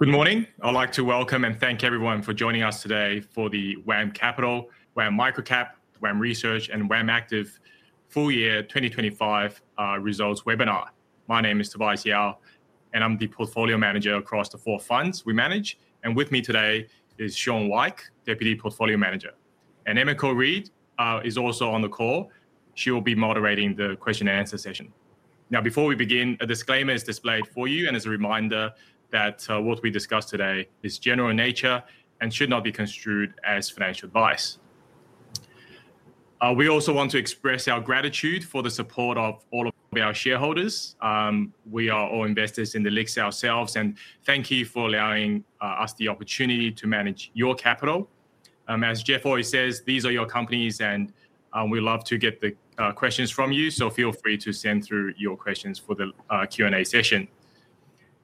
Good morning. I'd like to welcome and thank everyone for joining us today for the WAM Capital Limited, WAM Microcap Limited, WAM Research Limited, and WAM Active Limited full-year 2025 results webinar. My name is Tobias Jarl, and I'm the Portfolio Manager across the four funds we manage. With me today is Sean Whyte, Deputy Portfolio Manager. Emma Coleridge is also on the call. She will be moderating the question and answer session. Before we begin, a disclaimer is displayed for you, and as a reminder, what we discuss today is general in nature and should not be construed as financial advice. We also want to express our gratitude for the support of all of our shareholders. We are all investors in the LICs ourselves, and thank you for allowing us the opportunity to manage your capital. As Jeff always says, these are your companies, and we love to get the questions from you, so feel free to send through your questions for the Q&A session.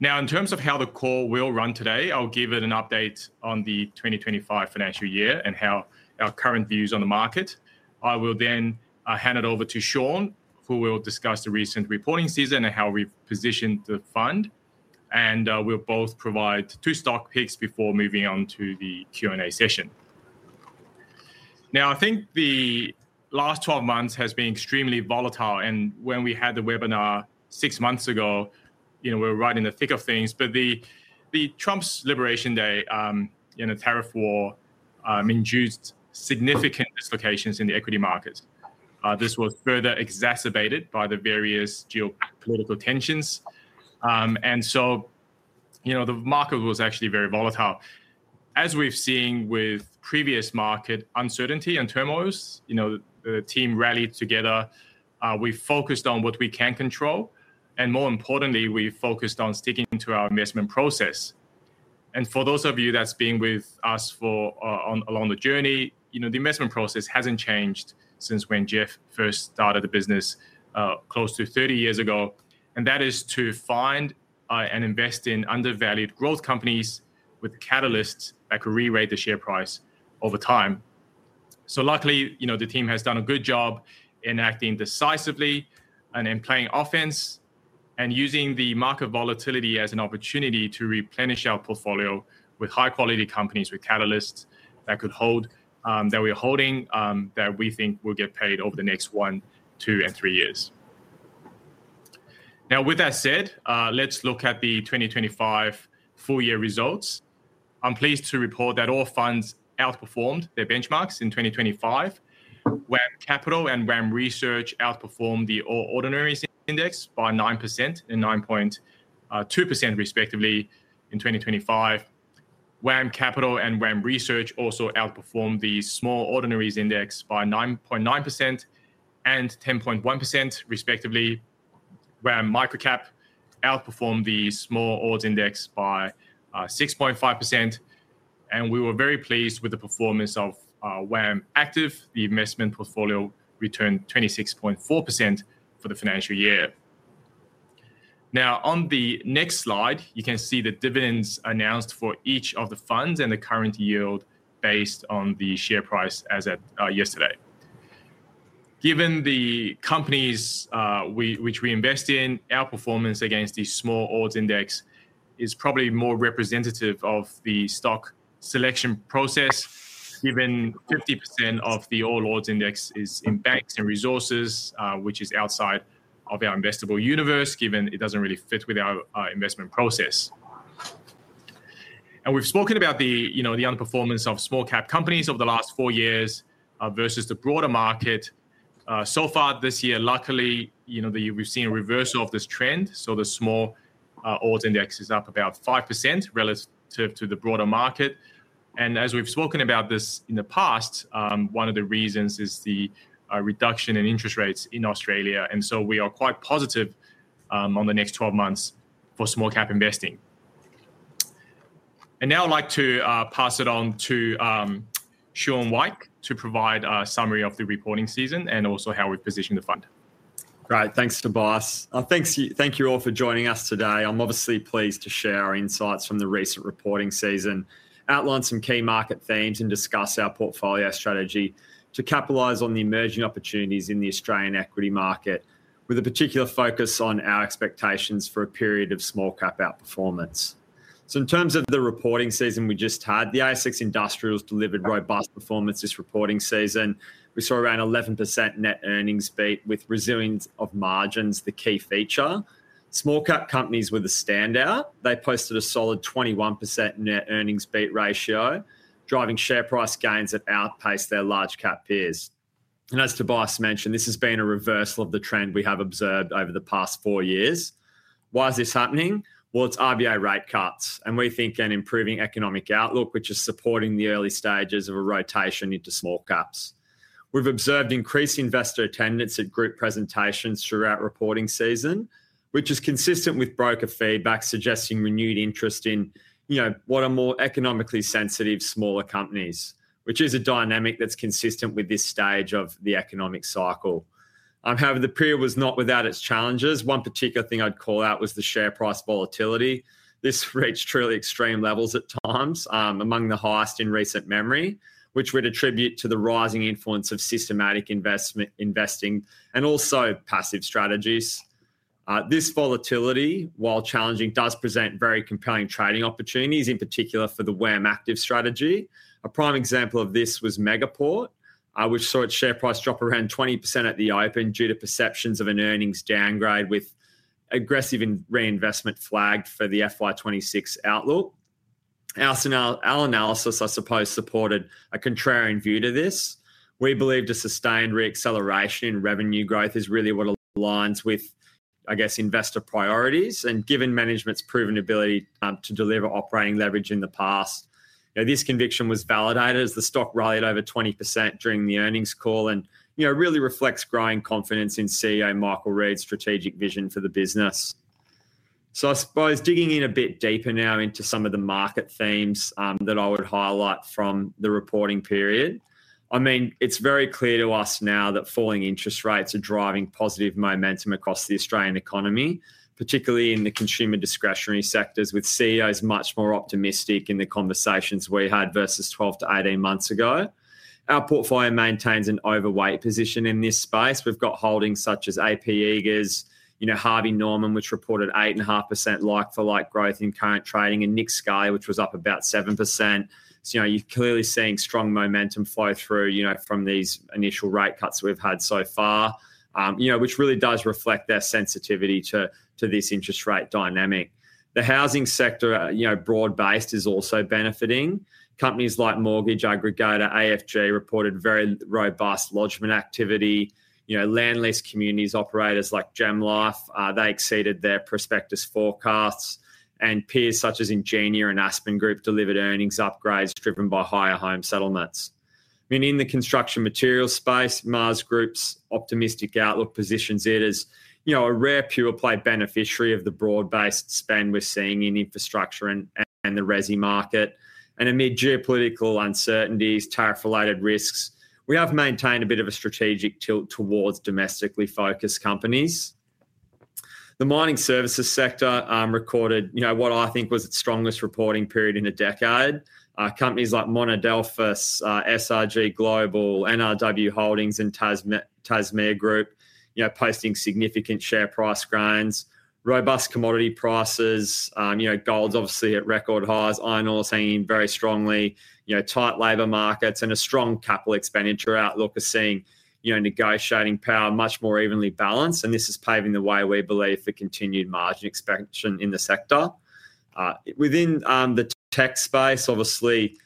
In terms of how the call will run today, I'll give an update on the 2025 financial year and our current views on the market. I will then hand it over to Sean, who will discuss the recent reporting season and how we've positioned the fund. We'll both provide two stock picks before moving on to the Q&A session. I think the last 12 months have been extremely volatile. When we had the webinar six months ago, we were right in the thick of things. The Trump's Liberation Day, the tariff war induced significant dislocations in the equity markets. This was further exacerbated by the various geopolitical tensions. The market was actually very volatile. As we've seen with previous market uncertainty and turmoil, the team rallied together. We focused on what we can control. More importantly, we focused on sticking to our investment process. For those of you that have been with us along the journey, the investment process hasn't changed since when Jeff first started the business close to 30 years ago. That is to find and invest in undervalued growth companies with catalysts that could re-rate the share price over time. Luckily, the team has done a good job in acting decisively and playing offense and using the market volatility as an opportunity to replenish our portfolio with high-quality companies with catalysts that we are holding, that we think will get paid over the next one, two, and three years. Now, with that said, let's look at the 2025 full-year results. I'm pleased to report that all funds outperformed their benchmarks in 2025. WAM Capital Limited and WAM Research Limited outperformed the Ordinaries Index by 9% and 9.2% respectively in 2025. WAM Capital Limited and WAM Research Limited also outperformed the Small Ordinaries Index by 9.9% and 10.1% respectively. WAM Microcap Limited outperformed the Small Ordinaries Index by 6.5%. We were very pleased with the performance of WAM Active Limited. The investment portfolio returned 26.4% for the financial year. On the next slide, you can see the dividends announced for each of the funds and the current yield based on the share price as at yesterday. Given the companies which we invest in, our performance against the Small Ordinaries Index is probably more representative of the stock selection process, given 50% of the All Ordinaries Index is in banks and resources, which is outside of our investable universe, given it doesn't really fit with our investment process. We've spoken about the underperformance of small-cap companies over the last four years versus the broader market. So far this year, luckily, we've seen a reversal of this trend. The Small Ordinaries Index is up about 5% relative to the broader market. As we've spoken about this in the past, one of the reasons is the reduction in interest rates in Australia. We are quite positive on the next 12 months for small-cap investing. Now I'd like to pass it on to Sean Whyte to provide a summary of the reporting season and also how we're positioning the fund. Great. Thanks, Tobias. Thank you all for joining us today. I'm obviously pleased to share our insights from the recent reporting season, outline some key market themes, and discuss our portfolio strategy to capitalize on the emerging opportunities in the Australian equity market, with a particular focus on our expectations for a period of small-cap outperformance. In terms of the reporting season we just had, the ASX Industrials delivered robust performance this reporting season. We saw around 11% net earnings beat with resilience of margins, the key feature. Small-cap companies were the standout. They posted a solid 21% net earnings beat ratio, driving share price gains that outpaced their large-cap peers. As Tobias mentioned, this has been a reversal of the trend we have observed over the past four years. Why is this happening? It's RBA rate cuts, and we think an improving economic outlook, which is supporting the early stages of a rotation into small caps. We've observed increased investor attendance at group presentations throughout reporting season, which is consistent with broker feedback suggesting renewed interest in, you know, what are more economically sensitive smaller companies, which is a dynamic that's consistent with this stage of the economic cycle. However, the period was not without its challenges. One particular thing I'd call out was the share price volatility. This reached truly extreme levels at times, among the highest in recent memory, which we'd attribute to the rising influence of systematic investment, investing, and also passive strategies. This volatility, while challenging, does present very compelling trading opportunities, in particular for the WAM Active strategy. A prime example of this was Megaport, which saw its share price drop around 20% at the open due to perceptions of an earnings downgrade with aggressive reinvestment flagged for the FY2026 outlook. Our analysis, I suppose, supported a contrarian view to this. We believe a sustained reacceleration in revenue growth is really what aligns with, I guess, investor priorities. Given management's proven ability to deliver operating leverage in the past, this conviction was validated as the stock rallied over 20% during the earnings call and really reflects growing confidence in CEO Michael Reed's strategic vision for the business. I suppose digging in a bit deeper now into some of the market themes that I would highlight from the reporting period, it's very clear to us now that falling interest rates are driving positive momentum across the Australian economy, particularly in the consumer discretionary sectors, with CEOs much more optimistic in the conversations we had versus 12 to 18 months ago. Our portfolio maintains an overweight position in this space. We've got holdings such as AP Eagers, Harvey Norman, which reported 8.5% like-for-like growth in current trading, and Nick Scali, which was up about 7%. You're clearly seeing strong momentum flow through from these initial rate cuts that we've had so far, which really does reflect their sensitivity to this interest rate dynamic. The housing sector, broad-based, is also benefiting. Companies like mortgage aggregator AFG reported very robust lodgement activity. Land lease communities operators like GemLife exceeded their prospectus forecasts, and peers such as Ingenia and Aspen Group delivered earnings upgrades driven by higher home settlements. In the construction materials space, Maas Group's optimistic outlook positions it as a rare pure play beneficiary of the broad-based spend we're seeing in infrastructure and the resi market. Amid geopolitical uncertainties and tariff-related risks, we have maintained a bit of a strategic tilt towards domestically focused companies. The mining services sector recorded what I think was its strongest reporting period in a decade. Companies like Monadelphous, SRG Global, NRW Holdings, and Tasmea Limited posted significant share price gains. Robust commodity prices, gold's obviously at record highs, iron ore is hanging in very strongly. Tight labor markets and a strong capital expenditure outlook are seeing negotiating power much more evenly balanced. This is paving the way, we believe, for continued margin expansion in the sector. Within the tech space, we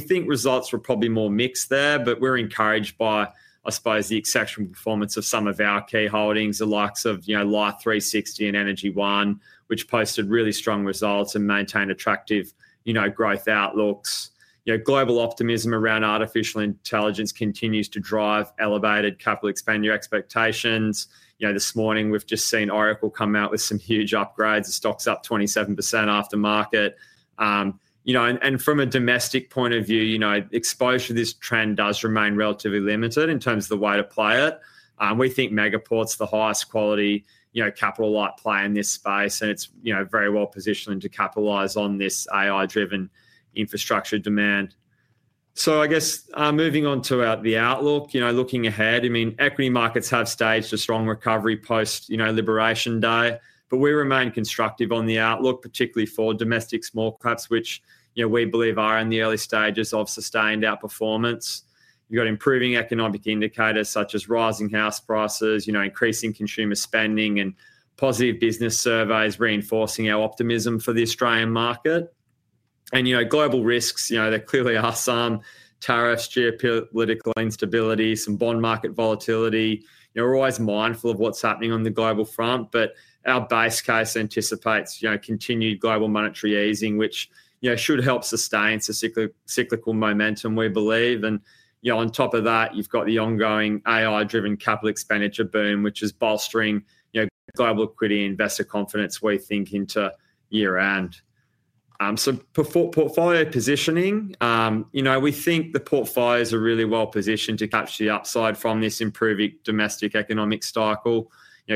think results were probably more mixed there, but we're encouraged by the exceptional performance of some of our key holdings, the likes of Life360 and Energy One, which posted really strong results and maintained attractive growth outlooks. Global optimism around artificial intelligence continues to drive elevated capital expenditure expectations. This morning we've just seen Oracle come out with some huge upgrades. The stock's up 27% after market. From a domestic point of view, exposure to this trend does remain relatively limited in terms of the way to play it. We think Megaport's the highest quality, capital-light play in this space, and it's very well positioned to capitalize on this AI-driven infrastructure demand. Moving on to the outlook, looking ahead, equity markets have staged a strong recovery post Liberation Day, but we remain constructive on the outlook, particularly for domestic small caps, which we believe are in the early stages of sustained outperformance. We've got improving economic indicators such as rising house prices, increasing consumer spending, and positive business surveys reinforcing our optimism for the Australian market. Global risks, there clearly are some tariffs, geopolitical instability, some bond market volatility. We're always mindful of what's happening on the global front, but our base case anticipates continued global monetary easing, which should help sustain some cyclical momentum, we believe. On top of that, you've got the ongoing AI-driven capital expenditure boom, which is bolstering global equity investor confidence, we think, into year-end. Portfolio positioning, we think the portfolios are really well positioned to catch the upside from this improving domestic economic cycle.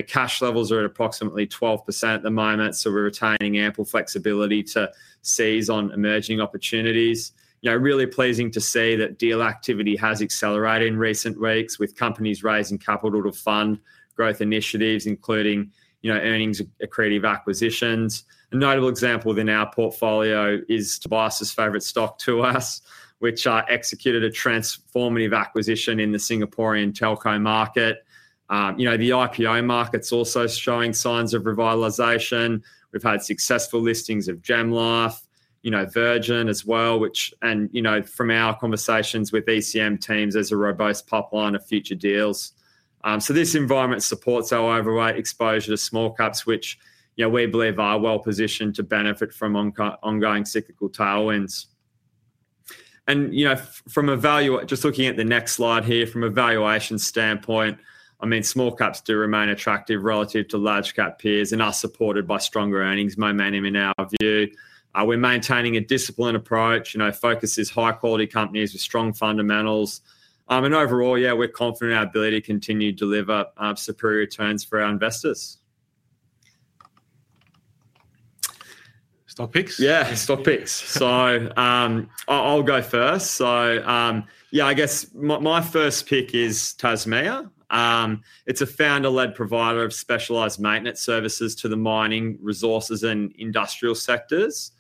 Cash levels are at approximately 12% at the moment, so we're retaining ample flexibility to seize on emerging opportunities. It's really pleasing to see that deal activity has accelerated in recent weeks with companies raising capital to fund growth initiatives, including earnings accretive acquisitions. A notable example within our portfolio is Tobias's favorite stock, 2RS Limited, which executed a transformative acquisition in the Singaporean telco market. The IPO market's also showing signs of revitalization. We've had successful listings of Gemlife, Virgin as well, and from our conversations with ECM teams, there's a robust pipeline of future deals. This environment supports our overweight exposure to small caps, which we believe are well positioned to benefit from ongoing cyclical tailwinds. From a valuation standpoint, small caps do remain attractive relative to large cap peers and are supported by stronger earnings momentum in our view. We're maintaining a disciplined approach that focuses on high-quality companies with strong fundamentals. Overall, we're confident in our ability to continue to deliver superior returns for our investors. Stop picks? Yeah, stock picks. I'll go first. My first pick is Tasmea Limited. It's a founder-led provider of specialized maintenance services to the mining, resources, and industrial sectors.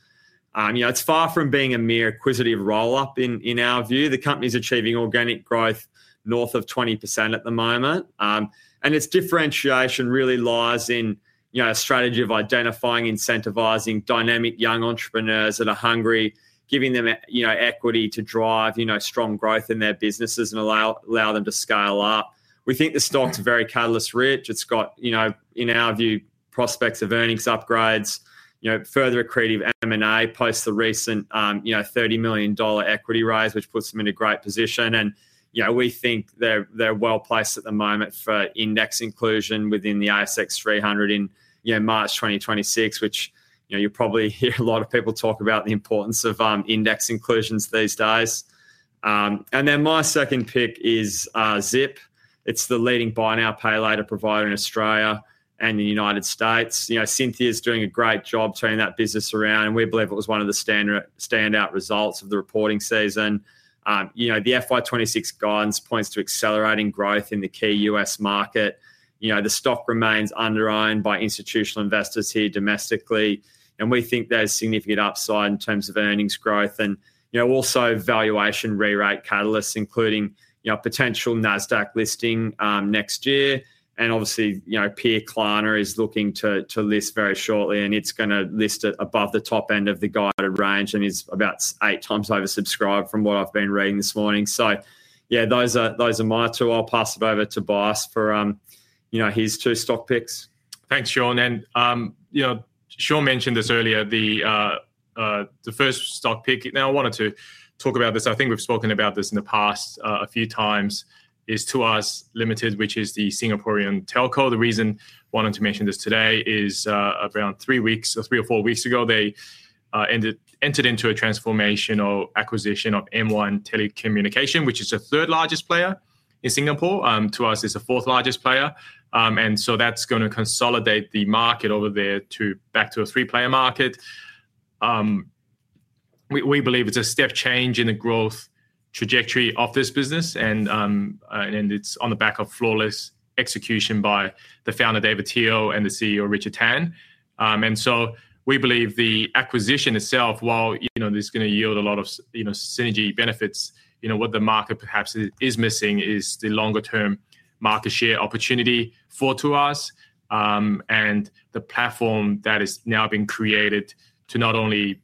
It's far from being a mere acquisitive roll-up in our view. The company's achieving organic growth north of 20% at the moment. Its differentiation really lies in a strategy of identifying, incentivizing dynamic young entrepreneurs that are hungry, giving them equity to drive strong growth in their businesses and allow them to scale up. We think the stock's very catalyst-rich. It's got, in our view, prospects of earnings upgrades, further accretive M&A activity post the recent $30 million equity raise, which puts them in a great position. We think they're well placed at the moment for index inclusion within the ASX 300 in March 2026, which you'll probably hear a lot of people talk about, the importance of index inclusions these days. My second pick is Zip Co. It's the leading buy now, pay later provider in Australia and the United States. Cynthia is doing a great job turning that business around, and we believe it was one of the standout results of the reporting season. The FY26 guidance points to accelerating growth in the key U.S. market. The stock remains under-owned by institutional investors here domestically, and we think there's significant upside in terms of earnings growth and also valuation re-rate catalysts, including potential NASDAQ listing next year. Obviously, Peer Planner is looking to list very shortly, and it's going to list above the top end of the guided range and is about eight times oversubscribed from what I've been reading this morning. Those are my two. I'll pass it over to Tobias for his two stock picks. Thanks, Sean. You know, Sean mentioned this earlier, the first stock pick. I wanted to talk about this. I think we've spoken about this in the past a few times, is 2RS Limited, which is the Singaporean telco. The reason I wanted to mention this today is around three or four weeks ago, they entered into a transformational acquisition of M1 Telecommunication, which is the third largest player in Singapore. 2RS is the fourth largest player. That's going to consolidate the market over there back to a three-player market. We believe it's a step change in the growth trajectory of this business, and it's on the back of flawless execution by the founder, David Thiel, and the CEO, Richard Tan. We believe the acquisition itself, while it's going to yield a lot of synergy benefits, what the market perhaps is missing is the longer-term market share opportunity for 2RS and the platform that has now been created to not only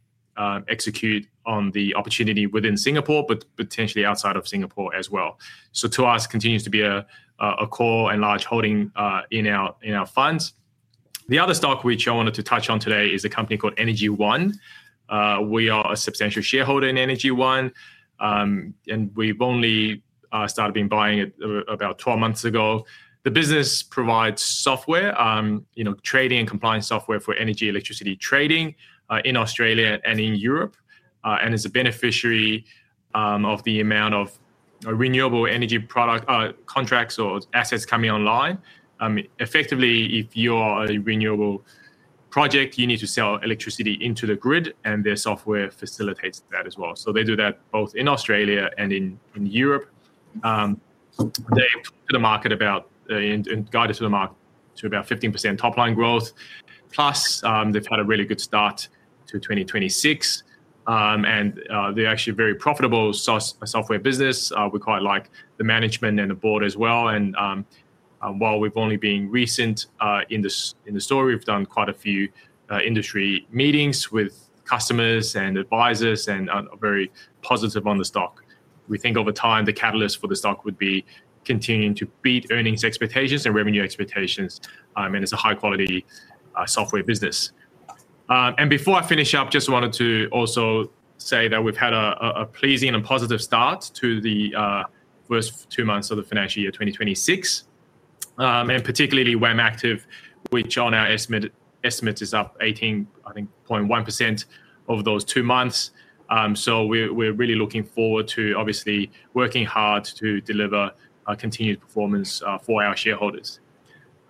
execute on the opportunity within Singapore, but potentially outside of Singapore as well. 2RS continues to be a core and large holding in our funds. The other stock which I wanted to touch on today is a company called Energy One. We are a substantial shareholder in Energy One, and we've only started buying it about 12 months ago. The business provides software, trading and compliance software for energy, electricity trading in Australia and in Europe, and is a beneficiary of the amount of renewable energy product contracts or assets coming online. Effectively, if you are a renewable project, you need to sell electricity into the grid, and their software facilitates that as well. They do that both in Australia and in Europe. They put the market about, and guide us to the market, to about 15% top line growth. Plus, they've had a really good start to 2026, and they're actually a very profitable software business. We quite like the management and the board as well. While we've only been recent in the story, we've done quite a few industry meetings with customers and advisors and are very positive on the stock. We think over time the catalyst for the stock would be continuing to beat earnings expectations and revenue expectations, and it's a high-quality software business. Before I finish up, I just wanted to also say that we've had a pleasing and positive start to the first two months of the financial year 2026, and particularly WAM Active, which on our estimates is up 18.1% over those two months. We're really looking forward to obviously working hard to deliver continued performance for our shareholders.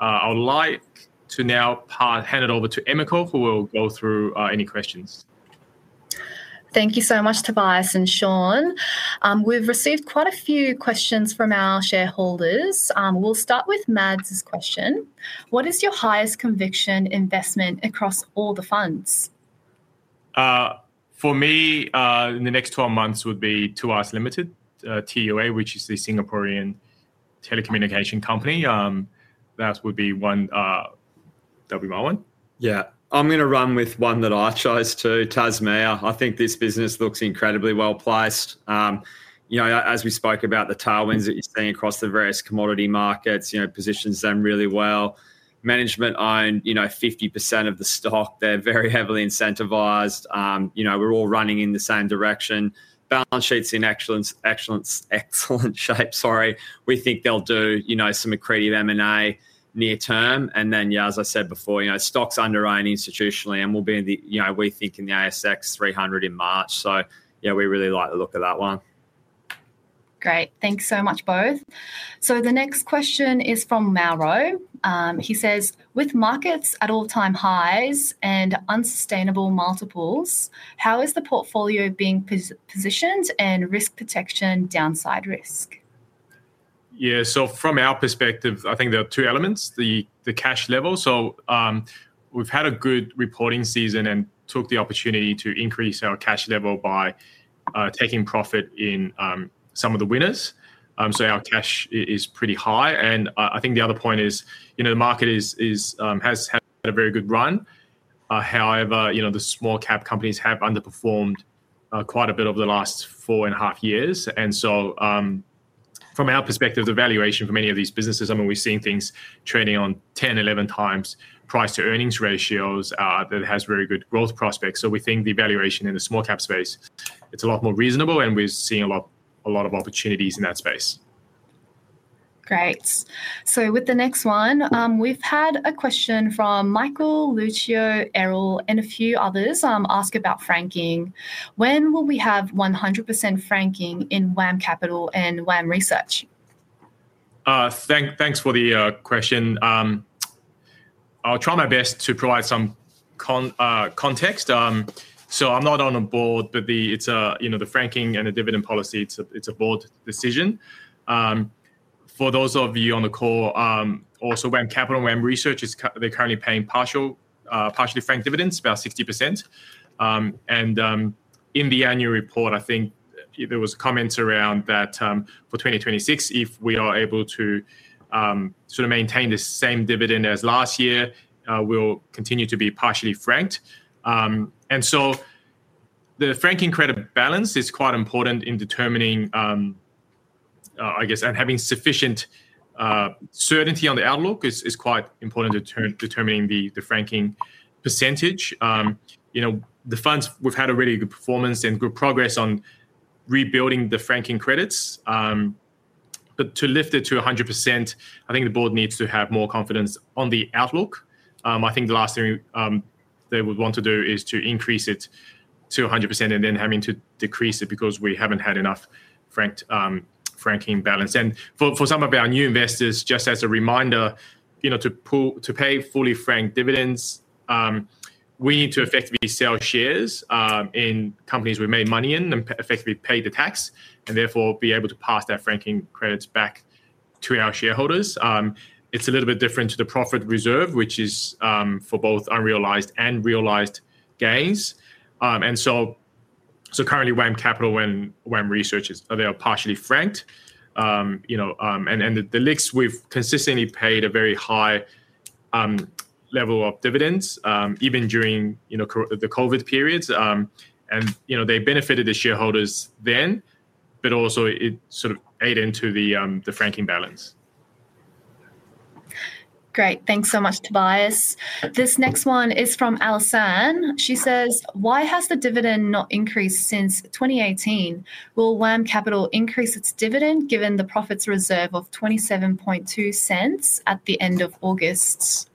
I would like to now hand it over to Emma Coleridge, who will go through any questions. Thank you so much, Tobias and Sean. We've received quite a few questions from our shareholders. We'll start with Mads' question. What is your highest conviction investment across all the funds? For me, in the next 12 months would be 2RS Limited, M1 Telecommunication, which is the Singaporean telecommunication company. That would be one, that would be my one. Yeah, I'm going to run with one that I chose too, Tasmea. I think this business looks incredibly well placed. You know, as we spoke about the tailwinds that it's been across the various commodity markets, you know, positions them really well. Management owned 50% of the stock. They're very heavily incentivized. You know, we're all running in the same direction. Balance sheet's in excellent, excellent shape. We think they'll do some accretive M&A near term. As I said before, you know, stock's under-owned institutionally, and we'll be in the, you know, we think in the ASX 300 in March. Yeah, we really like the look of that one. Great. Thanks so much, both. The next question is from Mauro. He says, with markets at all-time highs and unsustainable multiples, how is the portfolio being positioned and risk protection downside risk? Yeah, from our perspective, I think there are two elements. The cash level. We've had a good reporting season and took the opportunity to increase our cash level by taking profit in some of the winners. Our cash is pretty high. I think the other point is, you know, the market has had a very good run. However, the small-cap companies have underperformed quite a bit over the last four and a half years. From our perspective, the valuation for many of these businesses, I mean, we've seen things trading on 10, 11 times price-to-earnings ratios that have very good growth prospects. We think the valuation in the small-cap space is a lot more reasonable, and we're seeing a lot of opportunities in that space. Great. With the next one, we've had a question from Michael, Lucio, Errol, and a few others ask about franking. When will we have 100% franking in WAM Capital and WAM Research? Thanks for the question. I'll try my best to provide some context. I'm not on a board, but the franking and the dividend policy is a board decision. For those of you on the call, also WAM Capital Limited and WAM Research Limited, they're currently paying partially franked dividends, about 50%. In the annual report, I think there were comments around that for 2026, if we are able to sort of maintain the same dividend as last year, we'll continue to be partially franked. The franking credit balance is quite important in determining, I guess, and having sufficient certainty on the outlook is quite important in determining the franking percentage. The funds have had really good performance and good progress on rebuilding the franking credits. To lift it to 100%, I think the board needs to have more confidence on the outlook. The last thing they would want to do is to increase it to 100% and then have to decrease it because we haven't had enough franking balance. For some of our new investors, just as a reminder, to pay fully franked dividends, we need to effectively sell shares in companies we made money in and effectively pay the tax and therefore be able to pass that franking credit back to our shareholders. It's a little bit different to the profit reserve, which is for both unrealized and realized gains. Currently, WAM Capital Limited and WAM Research Limited are partially franked. The LICs have consistently paid a very high level of dividends, even during the COVID periods. They benefited the shareholders then, but also it sort of ate into the franking balance. Great. Thanks so much, Tobias. This next one is from Allison Malkin. She says, why has the dividend not increased since 2018? Will WAM Microcap Limited increase its dividend given the profits reserve of $0.272 at the end of August?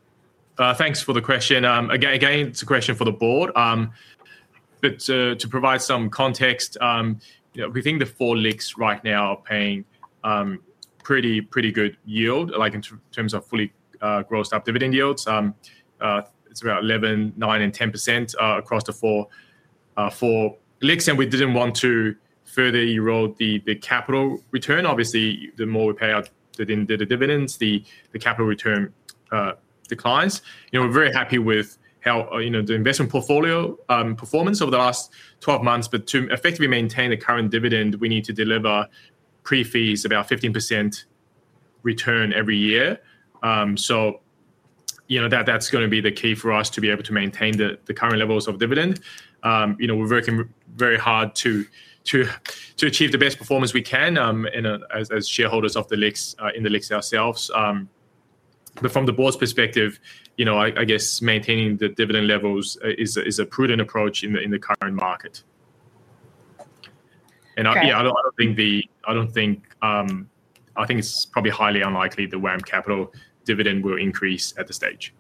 Thanks for the question. Again, it's a question for the board. To provide some context, we think the four LICs right now are paying pretty, pretty good yield, like in terms of fully grossed-up dividend yields. It's about 11%, 9%, and 10% across the four LICs. We didn't want to further erode the capital return. Obviously, the more we pay out the dividends, the capital return declines. We're very happy with how the investment portfolio performance over the last 12 months. To effectively maintain the current dividend, we need to deliver pre-fees about 15% return every year. That's going to be the key for us to be able to maintain the current levels of dividend. We're working very hard to achieve the best performance we can as shareholders of the LICs and in the LICs ourselves. From the board's perspective, I guess maintaining the dividend levels is a prudent approach in the current market. I don't think, I think it's probably highly unlikely the WAM Microcap dividend will increase at this stage.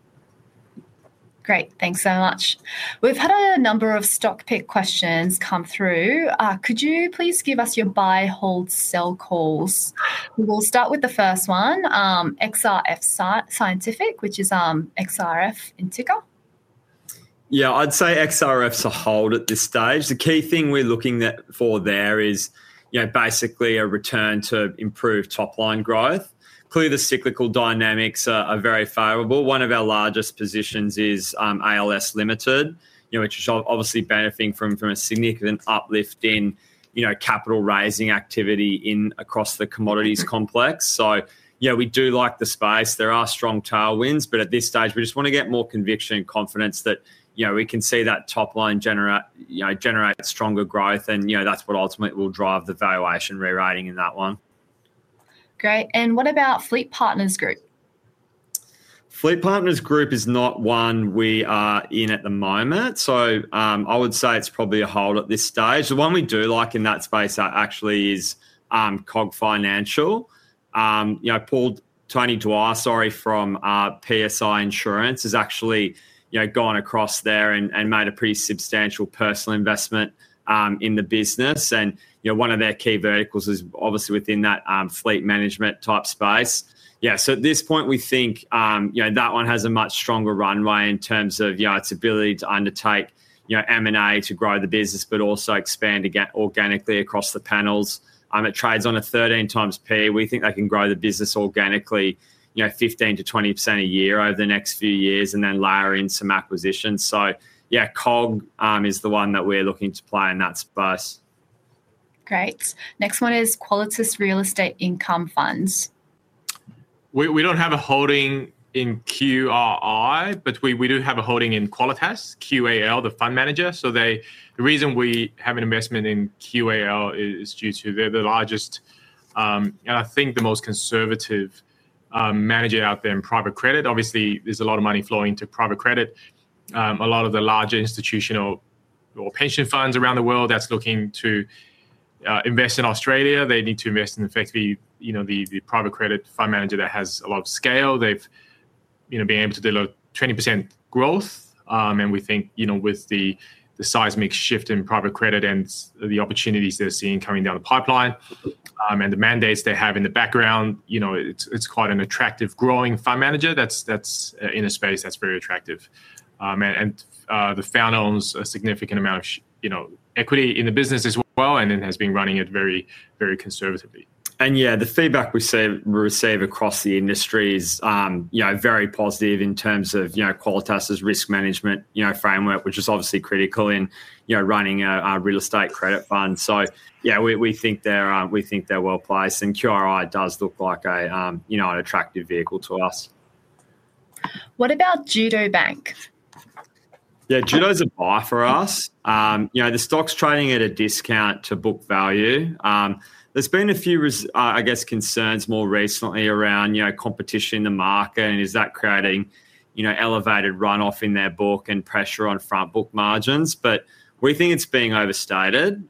Great. Thanks so much. We've had a number of stock pick questions come through. Could you please give us your buy, hold, sell calls? We'll start with the first one, XRF Scientific, which is XRF in ticker. Yeah, I'd say XRF Scientific's a hold at this stage. The key thing we're looking for there is basically a return to improved top line growth. Clearly, the cyclical dynamics are very favorable. One of our largest positions is ALS Limited, which is obviously benefiting from a significant uplift in capital raising activity across the commodities complex. We do like the space. There are strong tailwinds, but at this stage, we just want to get more conviction and confidence that we can see that top line generate stronger growth. That's what ultimately will drive the valuation re-rating in that one. Great. What about FleetPartners Group? FleetPartners Group is not one we are in at the moment. I would say it's probably a hold at this stage. The one we do like in that space actually is COG Financial. Paul, Tony Dwyer from PSI Insurance has actually gone across there and made a pretty substantial personal investment in the business. One of their key verticals is obviously within that fleet management type space. At this point, we think that one has a much stronger runway in terms of its ability to undertake M&A activity to grow the business, but also expand organically across the panels. It trades on a 13 times P/E. We think they can grow the business organically 15% to 20% a year over the next few years and then layer in some acquisitions. COG is the one that we're looking to play in that space. Great. Next one is Qualitas Real Estate Income Fund. We don't have a holding in QRI, but we do have a holding in Qualitas, QAL, the fund manager. The reason we have an investment in QAL is due to they're the largest and I think the most conservative manager out there in private credit. Obviously, there's a lot of money flowing into private credit. A lot of the larger institutional or pension funds around the world that's looking to invest in Australia, they need to invest in effectively, you know, the private credit fund manager that has a lot of scale. They've been able to deliver 20% growth. We think, you know, with the seismic shift in private credit and the opportunities they're seeing coming down the pipeline and the mandates they have in the background, it's quite an attractive growing fund manager that's in a space that's very attractive. The founder owns a significant amount of equity in the business as well and has been running it very, very conservatively. Yeah, the feedback we receive across the industry is very positive in terms of Qualitas's risk management framework, which is obviously critical in running a real estate credit fund. We think they're well placed, and QRI does look like an attractive vehicle to us. What about Judo Bank? Yeah, Judo's a buy for us. The stock's trading at a discount to book value. There's been a few concerns more recently around competition in the market and is that creating elevated runoff in their book and pressure on front book margins. We think it's being overstated.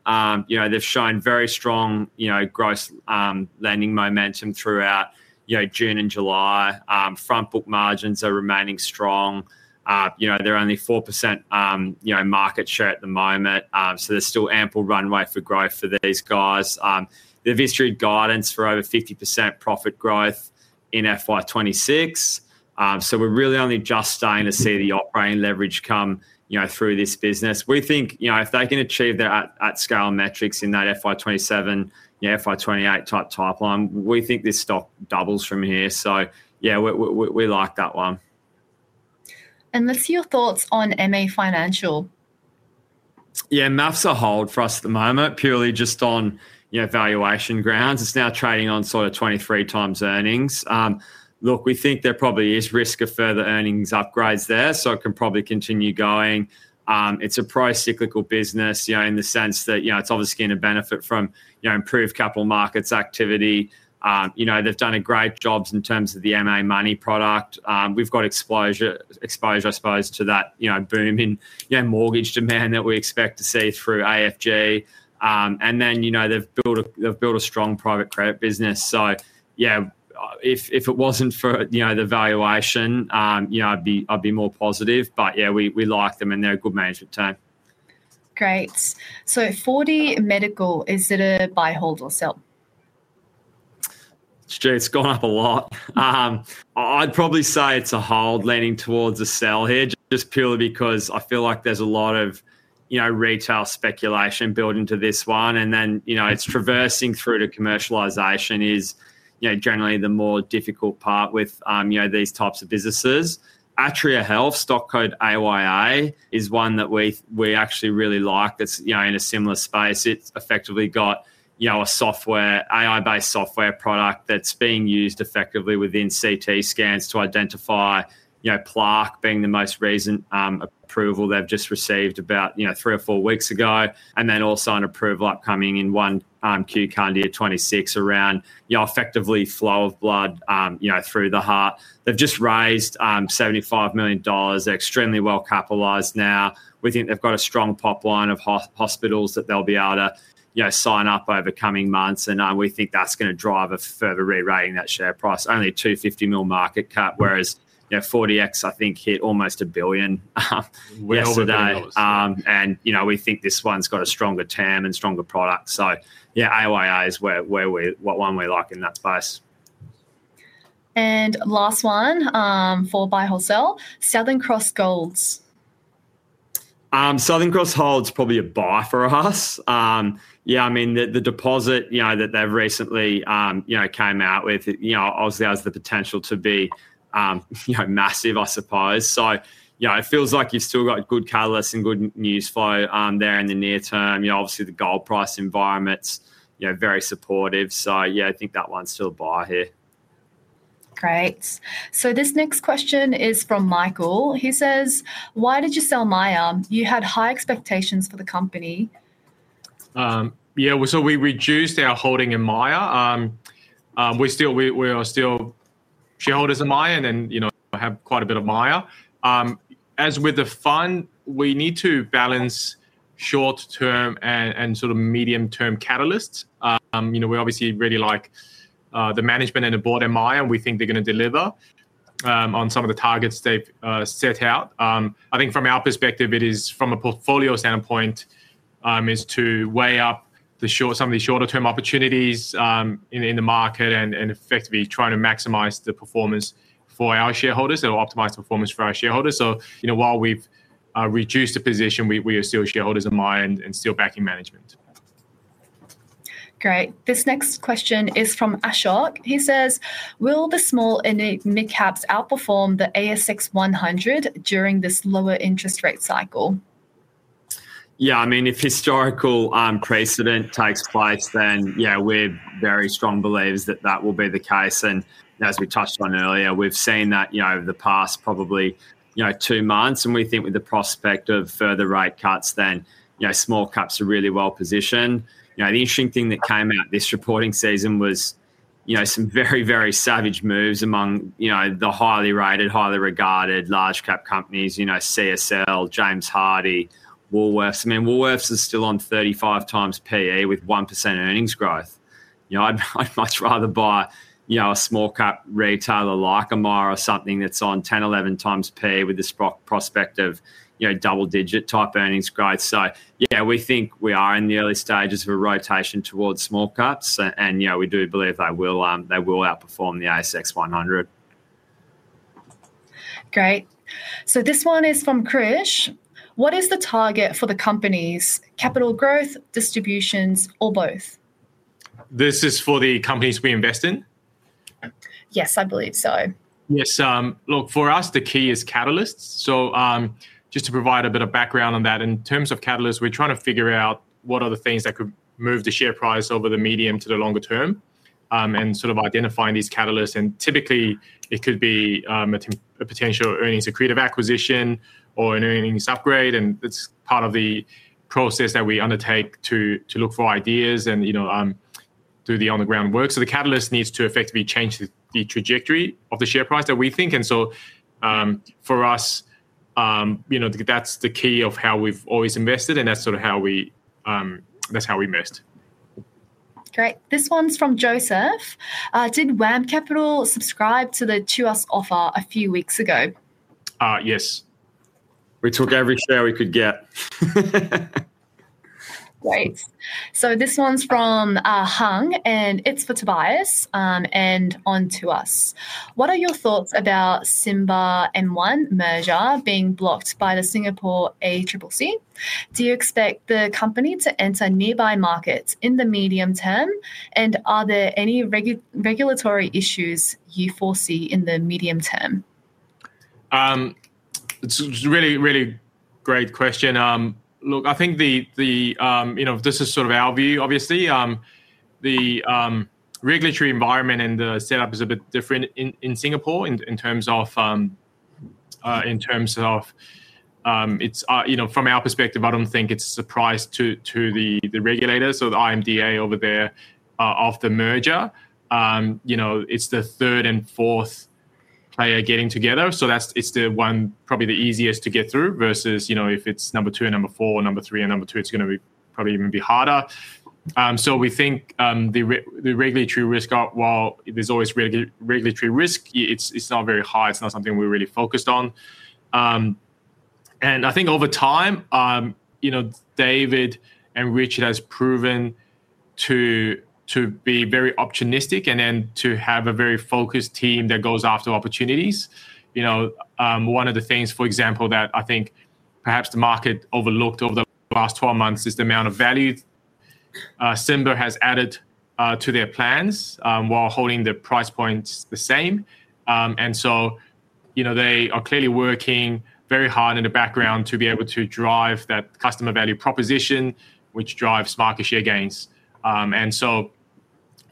They've shown very strong gross lending momentum throughout June and July. Front book margins are remaining strong. They're only 4% market share at the moment, so there's still ample runway for growth for these guys. They've issued guidance for over 50% profit growth in FY2026. We're really only just starting to see the operating leverage come through this business. We think if they can achieve that at scale metrics in that FY2027, FY2028 type timeline, we think this stock doubles from here. Yeah, we like that one. Let’s see your thoughts on MA Financial. Yeah, MA Financial's a hold for us at the moment, purely just on, you know, valuation grounds. It's now trading on sort of 23 times earnings. Look, we think there probably is risk of further earnings upgrades there, so it can probably continue going. It's a price cyclical business, you know, in the sense that, you know, it's obviously going to benefit from, you know, improved capital markets activity. They've done a great job in terms of the MA Money product. We've got exposure, I suppose, to that boom in mortgage demand that we expect to see through AFG. They've built a strong private credit business. If it wasn't for the valuation, you know, I'd be more positive. We like them and they're a good management team. Great. Forty Medical, is it a buy, hold, or sell? It's gone up a lot. I'd probably say it's a hold leaning towards a sell hedge, just purely because I feel like there's a lot of retail speculation built into this one. It's traversing through to commercialization, which is generally the more difficult part with these types of businesses. Atria Health, stock code AYA, is one that we actually really like. It's in a similar space. It's effectively got a software, AI-based software product that's being used effectively within CT scans to identify plaque, being the most recent approval they've just received about three or four weeks ago. There's also an approval upcoming in Q1 2026 around effectively flow of blood through the heart. They've just raised $75 million. They're extremely well capitalized now. We think they've got a strong pipeline of hospitals that they'll be able to sign up over the coming months. We think that's going to drive a further re-rating of that share price. Only $250 million market cap, whereas 40X, I think, hit almost $1 billion yesterday. We think this one's got a stronger TAM and stronger product. Yeah, AYA is what we're liking in that space. Last one, full buy, wholesale, Southern Cross Gold. Southern Cross Golds is probably a buy for us. I mean, the deposit that they recently came out with obviously has the potential to be massive, I suppose. It feels like you've still got good catalysts and good news flow there in the near term. Obviously, the gold price environment is very supportive. I think that one's still a buy here. Great. This next question is from Michael. He says, why did you sell Myer? You had high expectations for the company. Yeah, so we reduced our holding in Myer. We are still shareholders in Myer and then, you know, have quite a bit of Myer. As with the fund, we need to balance short-term and sort of medium-term catalysts. We obviously really like the management and the board at Myer, and we think they're going to deliver on some of the targets they've set out. I think from our perspective, it is from a portfolio standpoint, to weigh up some of the shorter-term opportunities in the market and effectively trying to maximize the performance for our shareholders and optimize performance for our shareholders. While we've reduced the position, we are still shareholders of Myer and still backing management. Great. This next question is from Ashok. He says, will the small and mid-caps outperform the ASX 100 during this lower interest rate cycle? Yeah, I mean, if historical precedent takes place, then yeah, we're very strongly believing that that will be the case. As we touched on earlier, we've seen that over the past probably two months, and we think with the prospect of further rate cuts, small caps are really well positioned. The interesting thing that came out this reporting season was some very, very savage moves among the highly rated, highly regarded large cap companies, you know, CSL, James Hardie, Woolworths. I mean, Woolworths is still on 35 times PE with 1% earnings growth. I'd much rather buy a small cap retailer like Amara or something that's on 10, 11 times PE with the prospect of double-digit type earnings growth. We think we are in the early stages of a rotation towards small caps, and we do believe they will outperform the ASX 100. Great. This one is from Krish. What is the target for the companies? Capital growth, distributions, or both? Is this for the companies we invest in? Yes, I believe so. Yes, look, for us, the key is catalysts. Just to provide a bit of background on that, in terms of catalysts, we're trying to figure out what are the things that could move the share price over the medium to the longer term and sort of identifying these catalysts. Typically, it could be a potential earnings accretive acquisition or an earnings upgrade. It's part of the process that we undertake to look for ideas and do the on-the-ground work. The catalyst needs to effectively change the trajectory of the share price that we think. For us, that's the key of how we've always invested, and that's sort of how we missed. Great. This one's from Joseph. Did WAM Capital subscribe to the 2RS Limited offer a few weeks ago? Yes. We took every share we could get. Great. This one's from Hung, and it's for Tobias, and on 2RS Limited. What are your thoughts about the M1 Telecommunication merger being blocked by the Singapore ACCC? Do you expect the company to enter nearby markets in the medium term, and are there any regulatory issues you foresee in the medium term? It's a really, really great question. Look, I think this is sort of our view, obviously. The regulatory environment and the setup is a bit different in Singapore in terms of, you know, from our perspective, I don't think it's a surprise to the regulators or the IMDA over there after merger. It's the third and fourth player getting together. It's probably the easiest to get through versus, you know, if it's number two and number four or number three and number two, it's going to be probably even harder. We think the regulatory risk, while there's always regulatory risk, is not very high. It's not something we're really focused on. I think over time, David and Richard have proven to be very optimistic and to have a very focused team that goes after opportunities. One of the things, for example, that I think perhaps the market overlooked over the last 12 months is the amount of value Simba has added to their plans while holding the price points the same. They are clearly working very hard in the background to be able to drive that customer value proposition, which drives market share gains.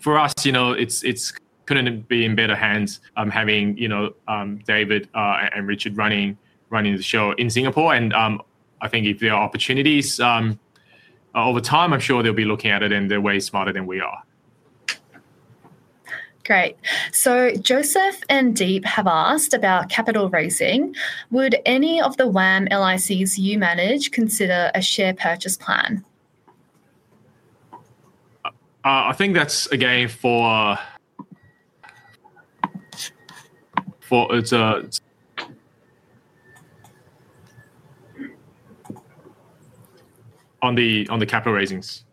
For us, it's going to be in better hands having David and Richard running the show in Singapore. I think if there are opportunities over time, I'm sure they'll be looking at it and they're way smarter than we are. Great. Joseph and Deep have asked about capital raising. Would any of the WAM LICs you manage consider a share purchase plan? I think that's a game for capital raisings.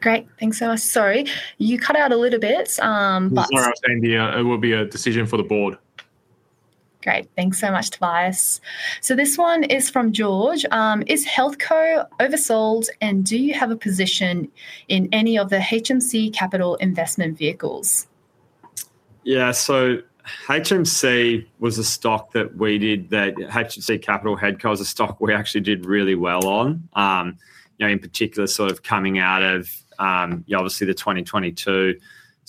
Great, thanks so much. Sorry, you cut out a little bit. Sorry, I was saying it will be a decision for the board. Great. Thanks so much, Tobias. This one is from George. Is Healthco oversold, and do you have a position in any of the HMC Capital investment vehicles? Yeah, so HMC was a stock that we did, that HMC Capital headco is a stock we actually did really well on. In particular, sort of coming out of, obviously, the 2022 sort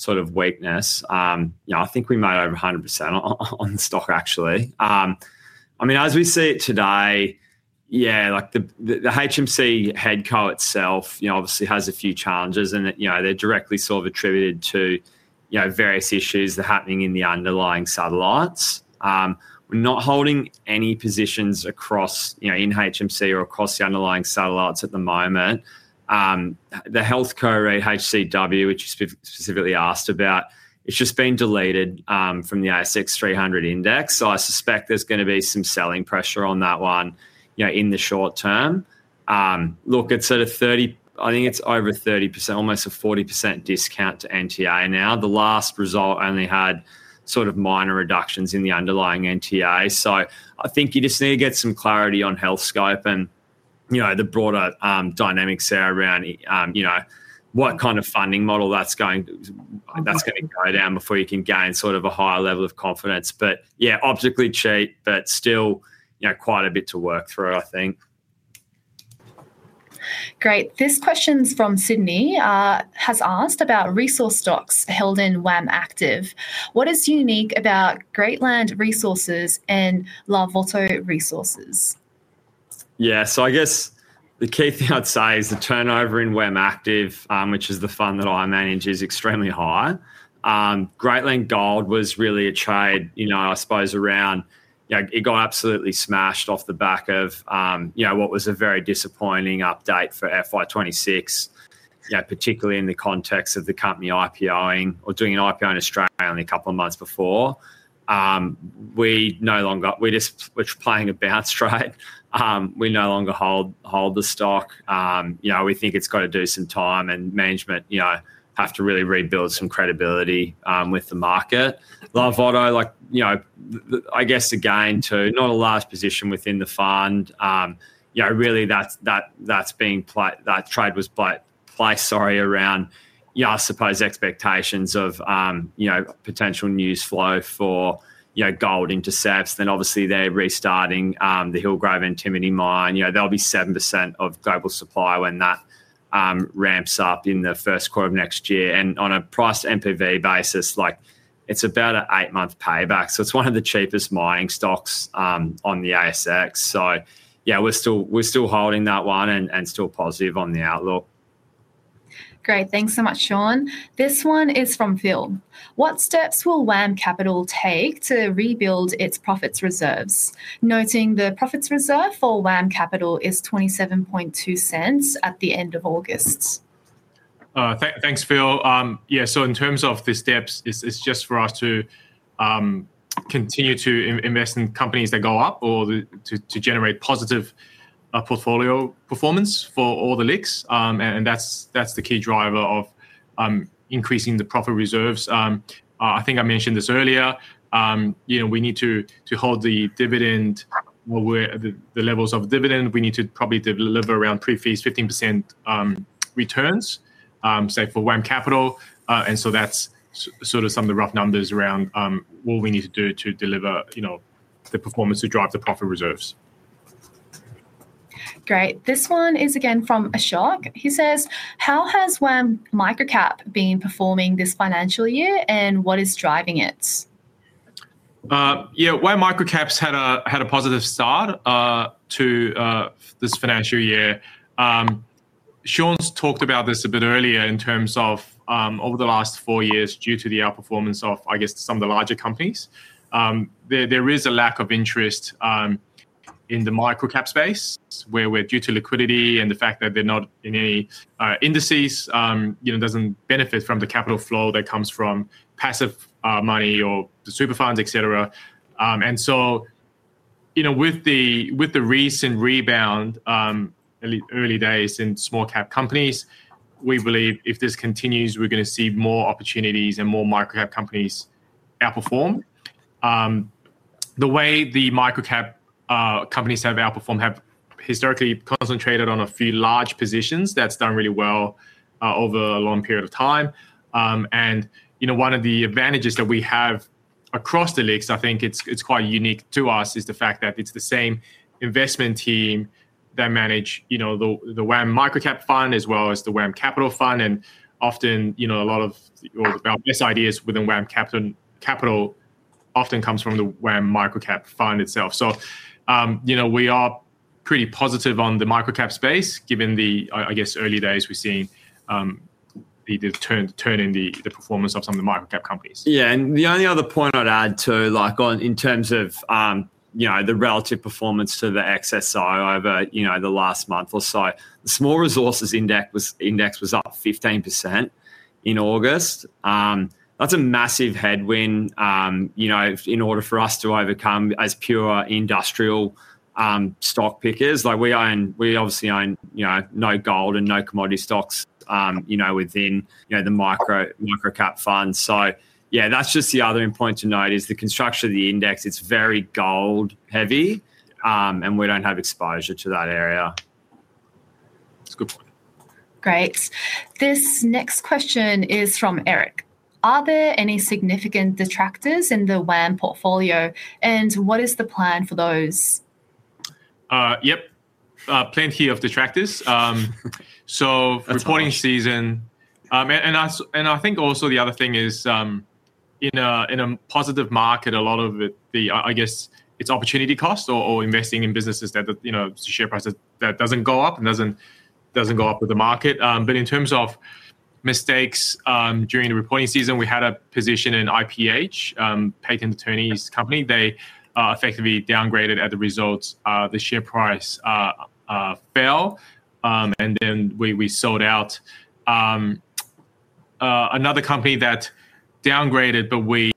of weakness. I think we made over 100% on the stock actually. As we see it today, the HMC headco itself obviously has a few challenges, and they're directly sort of attributed to various issues that are happening in the underlying satellites. We're not holding any positions in HMC or across the underlying satellites at the moment. The Healthco REIT HCW, which you specifically asked about, has just been deleted from the ASX 300 index. I suspect there's going to be some selling pressure on that one in the short term. It's at a 30%, I think it's over 30%, almost a 40% discount to NTA now. The last result only had minor reductions in the underlying NTA. I think you just need to get some clarity on Healthscope and the broader dynamics there around what kind of funding model that's going to go down before you can gain a higher level of confidence. Objectively cheap, but still quite a bit to work through, I think. Great. This question's from Sydney, has asked about resource stocks held in WAM Microcap. What is unique about Greatland Resources and Lavotto Resources? Yeah, so I guess the key thing I'd say is the turnover in WAM Active Limited, which is the fund that I manage, is extremely high. Greatland Gold was really a trade, you know, I suppose around, you know, it got absolutely smashed off the back of, you know, what was a very disappointing update for FY2026, particularly in the context of the company IPOing or doing an IPO in Australia only a couple of months before. We no longer, we just, we're planning to bounce straight. We no longer hold the stock. We think it's got to do some time and management have to really rebuild some credibility with the market. Lavotto, like, you know, I guess again to not a large position within the fund. Really that's being played, that trade was placed, sorry, around, I suppose expectations of potential news flow for gold into SEFs. Obviously they're restarting the Hillgrove and Timiny mine. There'll be 7% of global supply when that ramps up in the first quarter of next year. On a price NPV basis, it's about an eight-month payback. It's one of the cheapest mining stocks on the ASX. We're still holding that one and still positive on the outlook. Great. Thanks so much, Sean. This one is from Phil. What steps will WAM Microcap Limited take to rebuild its profits reserves? Noting the profits reserve for WAM Microcap Limited is $0.272 at the end of August. Thanks, Phil. Yeah, in terms of the steps, it's just for us to continue to invest in companies that go up or to generate positive portfolio performance for all the LICs. That's the key driver of increasing the profit reserves. I think I mentioned this earlier. We need to hold the dividend, what we're at the levels of dividend. We need to probably deliver around pre-fees 15% returns, say for WAM Microcap. That's sort of some of the rough numbers around what we need to do to deliver the performance to drive the profit reserves. Great. This one is again from Ashok. He says, how has WAM Microcap been performing this financial year, and what is driving it? Yeah, WAM Microcap Limited has had a positive start to this financial year. Sean's talked about this a bit earlier in terms of over the last four years, due to the outperformance of, I guess, some of the larger companies, there is a lack of interest in the microcap space where we're due to liquidity and the fact that they're not in any indices, you know, doesn't benefit from the capital flow that comes from passive money or the super funds, et cetera. With the recent rebound, early days in small cap companies, we believe if this continues, we're going to see more opportunities and more microcap companies outperform. The way the microcap companies have outperformed has historically concentrated on a few large positions that's done really well over a long period of time. One of the advantages that we have across the LICs, I think it's quite unique to us, is the fact that it's the same investment team that manage, you know, the WAM Microcap Limited fund as well as the WAM Capital Limited fund. Often, a lot of our best ideas within WAM Capital Limited often come from the WAM Microcap Limited fund itself. We are pretty positive on the microcap space given the, I guess, early days we've seen the turn in the performance of some of the microcap companies. Yeah, the only other point I'd add, in terms of the relative performance to the Small Ordinaries Index over the last month or so, the Small Resources Index was up 15% in August. That's a massive headwind in order for us to overcome as pure industrial stock pickers. We obviously own no gold and no commodity stocks within the microcap funds. That's just the other end point to note: the construction of the index is very gold heavy, and we don't have exposure to that area. That's a good point. Great. This next question is from Eric. Are there any significant detractors in the WAM Microcap portfolio and what is the plan for those? Yep, plenty of detractors. Reporting season. I think also the other thing is, in a positive market, a lot of it, I guess, it's opportunity cost or investing in businesses that, you know, the share price that doesn't go up and doesn't go up with the market. In terms of mistakes during the reporting season, we had a position in IPH, Patent Attorneys Company. They effectively downgraded. As a result, the share price fell, and then we sold out. Another company that downgraded, but we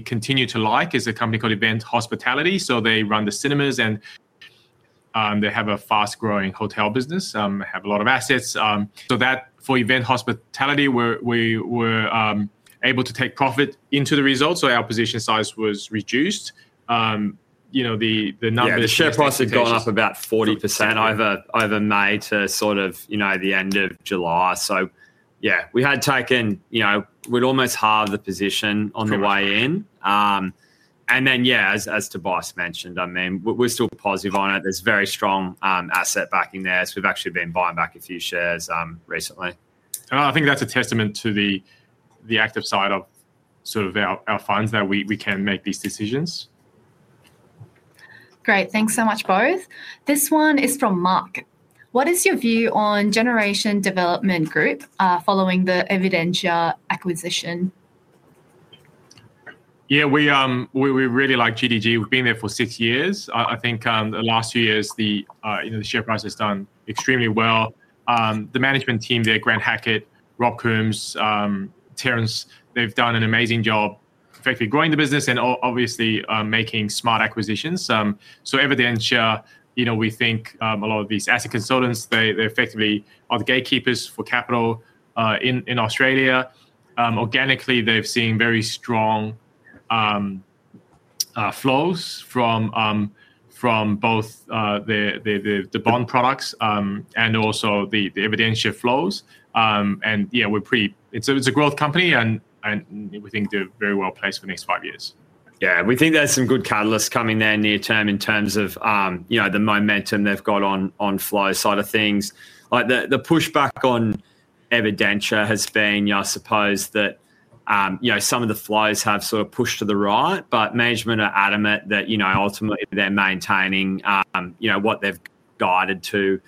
continue to like, is a company called Event Hospitality. They run the cinemas and they have a fast-growing hotel business. They have a lot of assets. For Event Hospitality, we were able to take profit into the result, so our position size was reduced. You know, the number. The share price had gone up about 40% over May to, you know, the end of July. We had taken, you know, we'd almost halved the position on the way in. As Tobias mentioned, I mean, we're still positive on it. There's very strong asset backing there. We've actually been buying back a few shares recently. I think that's a testament to the active side of our funds that we can make these decisions. Great. Thanks so much, both. This one is from Mark. What is your view on Generation Development Group following the Evidentia acquisition? Yeah, we really like GDG. We've been there for six years. I think the last few years, you know, the share price has done extremely well. The management team there, Grant Hackett, Rob Coombs, Terrence, they've done an amazing job effectively growing the business and obviously making smart acquisitions. Evidentia, you know, we think a lot of these asset consultants, they effectively are the gatekeepers for capital in Australia. Organically, they've seen very strong flows from both the bond products and also the Evidentia flows. It's a growth company and we think they're very well placed for the next five years. Yeah, we think there's some good catalysts coming there near term in terms of the momentum they've got on flow side of things. The pushback on Evidentia has been, I suppose, that some of the flows have sort of pushed to the right, but management are adamant that ultimately they're maintaining what they've guided to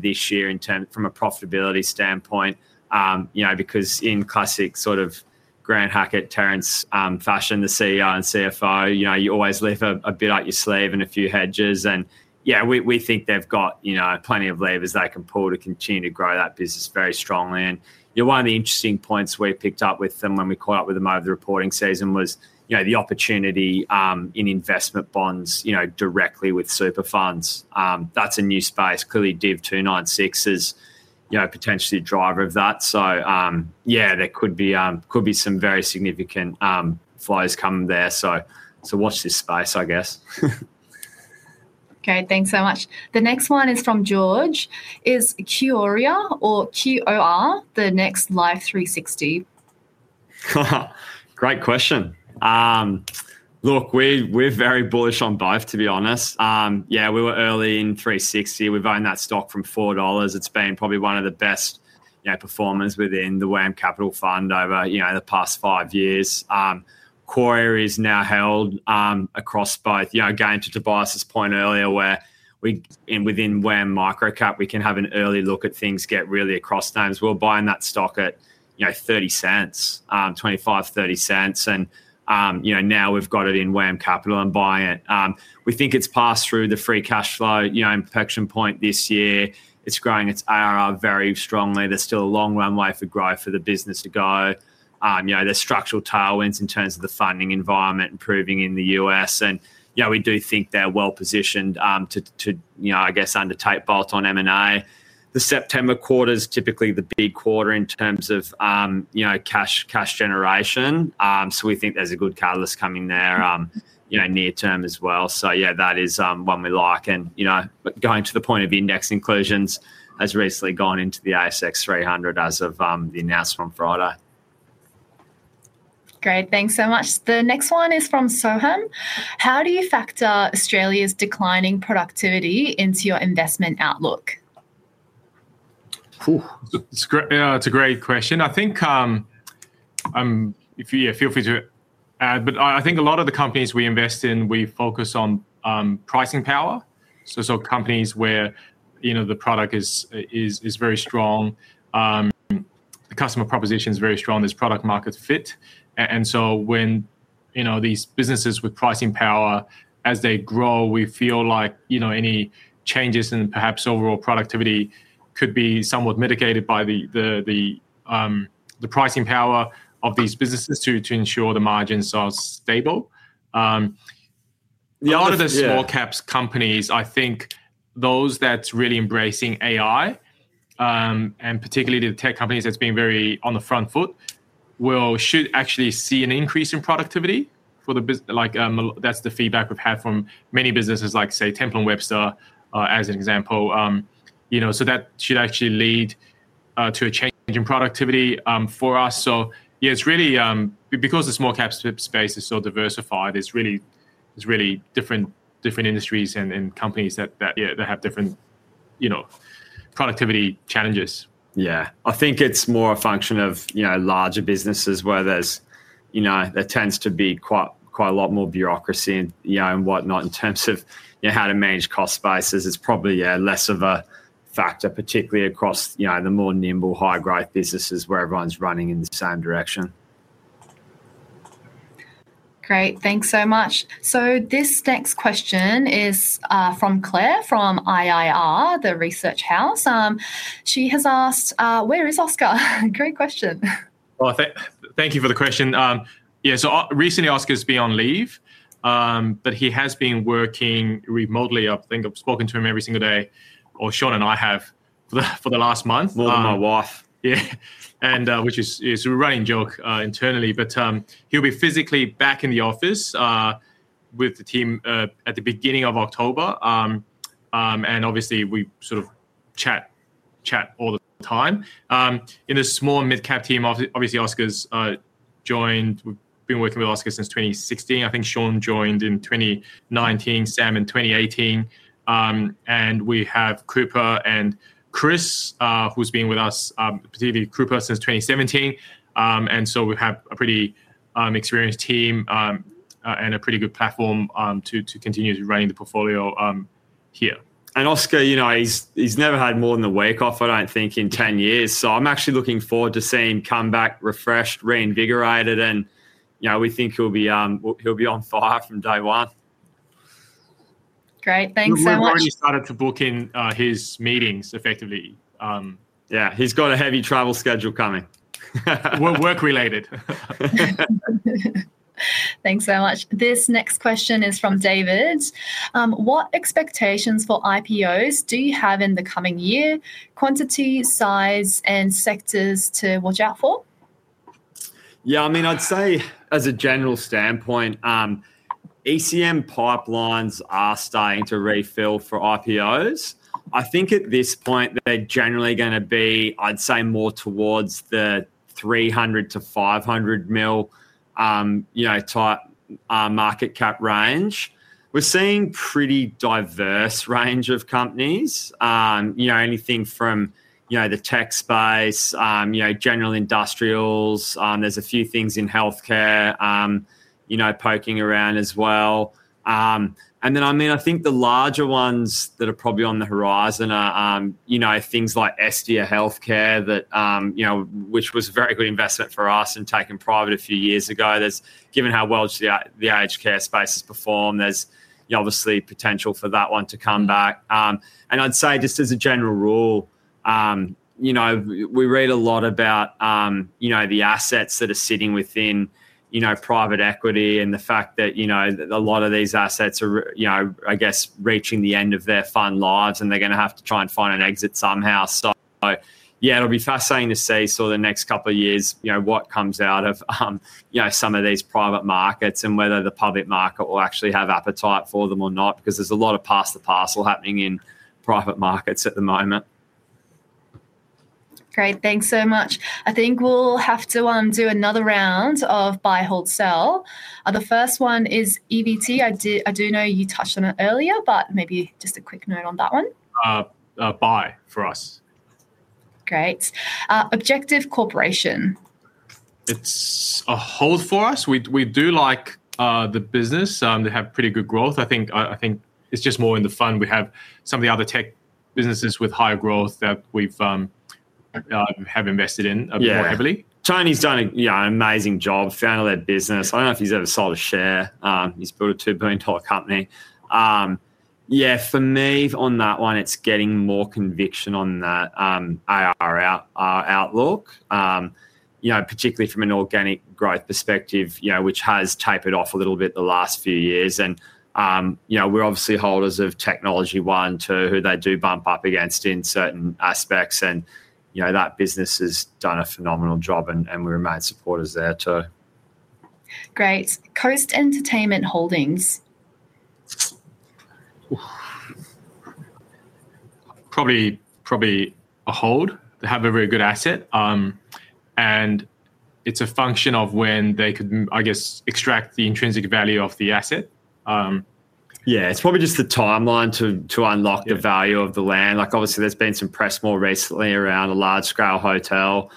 this year from a profitability standpoint. In classic sort of Grant Hackett, Terrence fashion, the CEO and CFO, you always leave a bit up your sleeve and a few hedges. We think they've got plenty of levers they can pull to continue to grow that business very strongly. One of the interesting points we picked up with them when we caught up with them over the reporting season was the opportunity in investment bonds, directly with super funds. That's a new space. Clearly, DIV 296 is potentially a driver of that. There could be some very significant flows come there. Watch this space, I guess. Okay, thanks so much. The next one is from George. Is QOR or QOR the next Live360? Great question. Look, we're very bullish on both, to be honest. Yeah, we were early in 360. We've owned that stock from $4. It's been probably one of the best performers within the WAM Capital Fund over the past five years. QOR is now held across both, again, to Tobias's point earlier, where we, and within WAM Microcap, we can have an early look at things, get really across those. We're buying that stock at $0.30, $0.25, $0.30. Now we've got it in WAM Capital and buying it. We think it's passed through the free cash flow inflection point this year. It's growing its ARR very strongly. There's still a long runway for growth for the business to go. There are structural tailwinds in terms of the funding environment improving in the U.S. We do think they're well positioned to, I guess, undertake bolt-on M&A activity. The September quarter is typically the big quarter in terms of cash generation. We think there's a good catalyst coming there near term as well. That is one we like. Going to the point of index inclusions, it has recently gone into the ASX 300 as of the announcement on Friday. Great. Thanks so much. The next one is from Soham. How do you factor Australia's declining productivity into your investment outlook? Oh, it's a great question. I think, yeah, feel free to add, but I think a lot of the companies we invest in, we focus on pricing power. Companies where, you know, the product is very strong, the customer proposition is very strong, there's product-market fit. When these businesses with pricing power, as they grow, we feel like any changes in perhaps overall productivity could be somewhat mitigated by the pricing power of these businesses to ensure the margins are stable. The other small caps companies, I think those that's really embracing AI and particularly the tech companies that's been very on the front foot should actually see an increase in productivity for the, like, that's the feedback we've had from many businesses like say Temple & Webster as an example. That should actually lead to a change in productivity for us. The small cap space is so diversified, it's really different industries and companies that have different, you know, productivity challenges. I think it's more a function of larger businesses where there tends to be quite a lot more bureaucracy and whatnot in terms of how to manage cost bases. It's probably less of a factor, particularly across the more nimble, high growth businesses where everyone's running in the same direction. Great. Thanks so much. This next question is from Claire from IIR, the research house. She has asked, where is Oscar? Great question. Thank you for the question. Recently, Oscar Oberg has been on leave, but he has been working remotely. I think I've spoken to him every single day, or Sean and I have, for the last month. More than my wife. Yeah, which is a running joke internally, but he'll be physically back in the office with the team at the beginning of October. Obviously, we sort of chat all the time. In the small mid-cap team, obviously Oscar Oberg's joined. We've been working with Oscar since 2016. I think Sean joined in 2019, Sam in 2018, and we have Cooper and Chris, who's been with us, particularly Cooper, since 2017. We have a pretty experienced team and a pretty good platform to continue to run the portfolio here. Oscar, you know, he's never had more than a week off, I don't think, in 10 years. I'm actually looking forward to seeing him come back refreshed, reinvigorated. We think he'll be on fire from day one. Great, thanks so much. He's already started to book in his meetings effectively. Yeah, he's got a heavy travel schedule coming. Work related. Thanks so much. This next question is from David. What expectations for IPOs do you have in the coming year? Quantity, size, and sectors to watch out for? Yeah, I mean, I'd say as a general standpoint, ECM pipelines are starting to refill for IPOs. I think at this point, they're generally going to be, I'd say, more towards the $300 to $500 million, you know, type market cap range. We're seeing a pretty diverse range of companies, you know, anything from, you know, the tech space, general industrials. There's a few things in healthcare poking around as well. I think the larger ones that are probably on the horizon are things like SD Healthcare, which was a very good investment for us and taken private a few years ago. Given how well the aged care space has performed, there's obviously potential for that one to come back. I'd say just as a general rule, we read a lot about the assets that are sitting within private equity and the fact that a lot of these assets are, I guess, reaching the end of their fund lives and they're going to have to try and find an exit somehow. It'll be fascinating to see the next couple of years, you know, what comes out of some of these private markets and whether the public market will actually have appetite for them or not, because there's a lot of pass the parcel happening in private markets at the moment. Great. Thanks so much. I think we'll have to do another round of buy, hold, sell. The first one is EBT. I do know you touched on it earlier, but maybe just a quick note on that one. Buy for us. Great. Objective Corporation. It's a hold for us. We do like the business. They have pretty good growth. I think it's just more in the fund, we have some of the other tech businesses with higher growth that we've invested in more heavily. Yeah, Tony's done an amazing job, founded that business. I don't know if he's ever sold a share. He's built a $2 billion company. For me on that one, it's getting more conviction on that ARR outlook, particularly from an organic growth perspective, which has tapered off a little bit the last few years. We're obviously holders of Technology One, too, who they do bump up against in certain aspects. That business has done a phenomenal job and we remain supporters there, too. Great. Coast Entertainment Holdings. Probably a hold. They have a very good asset, and it's a function of when they could, I guess, extract the intrinsic value of the asset. Yeah, it's probably just the timeline to unlock the value of the land. Obviously, there's been some press more recently around a large-scale hotel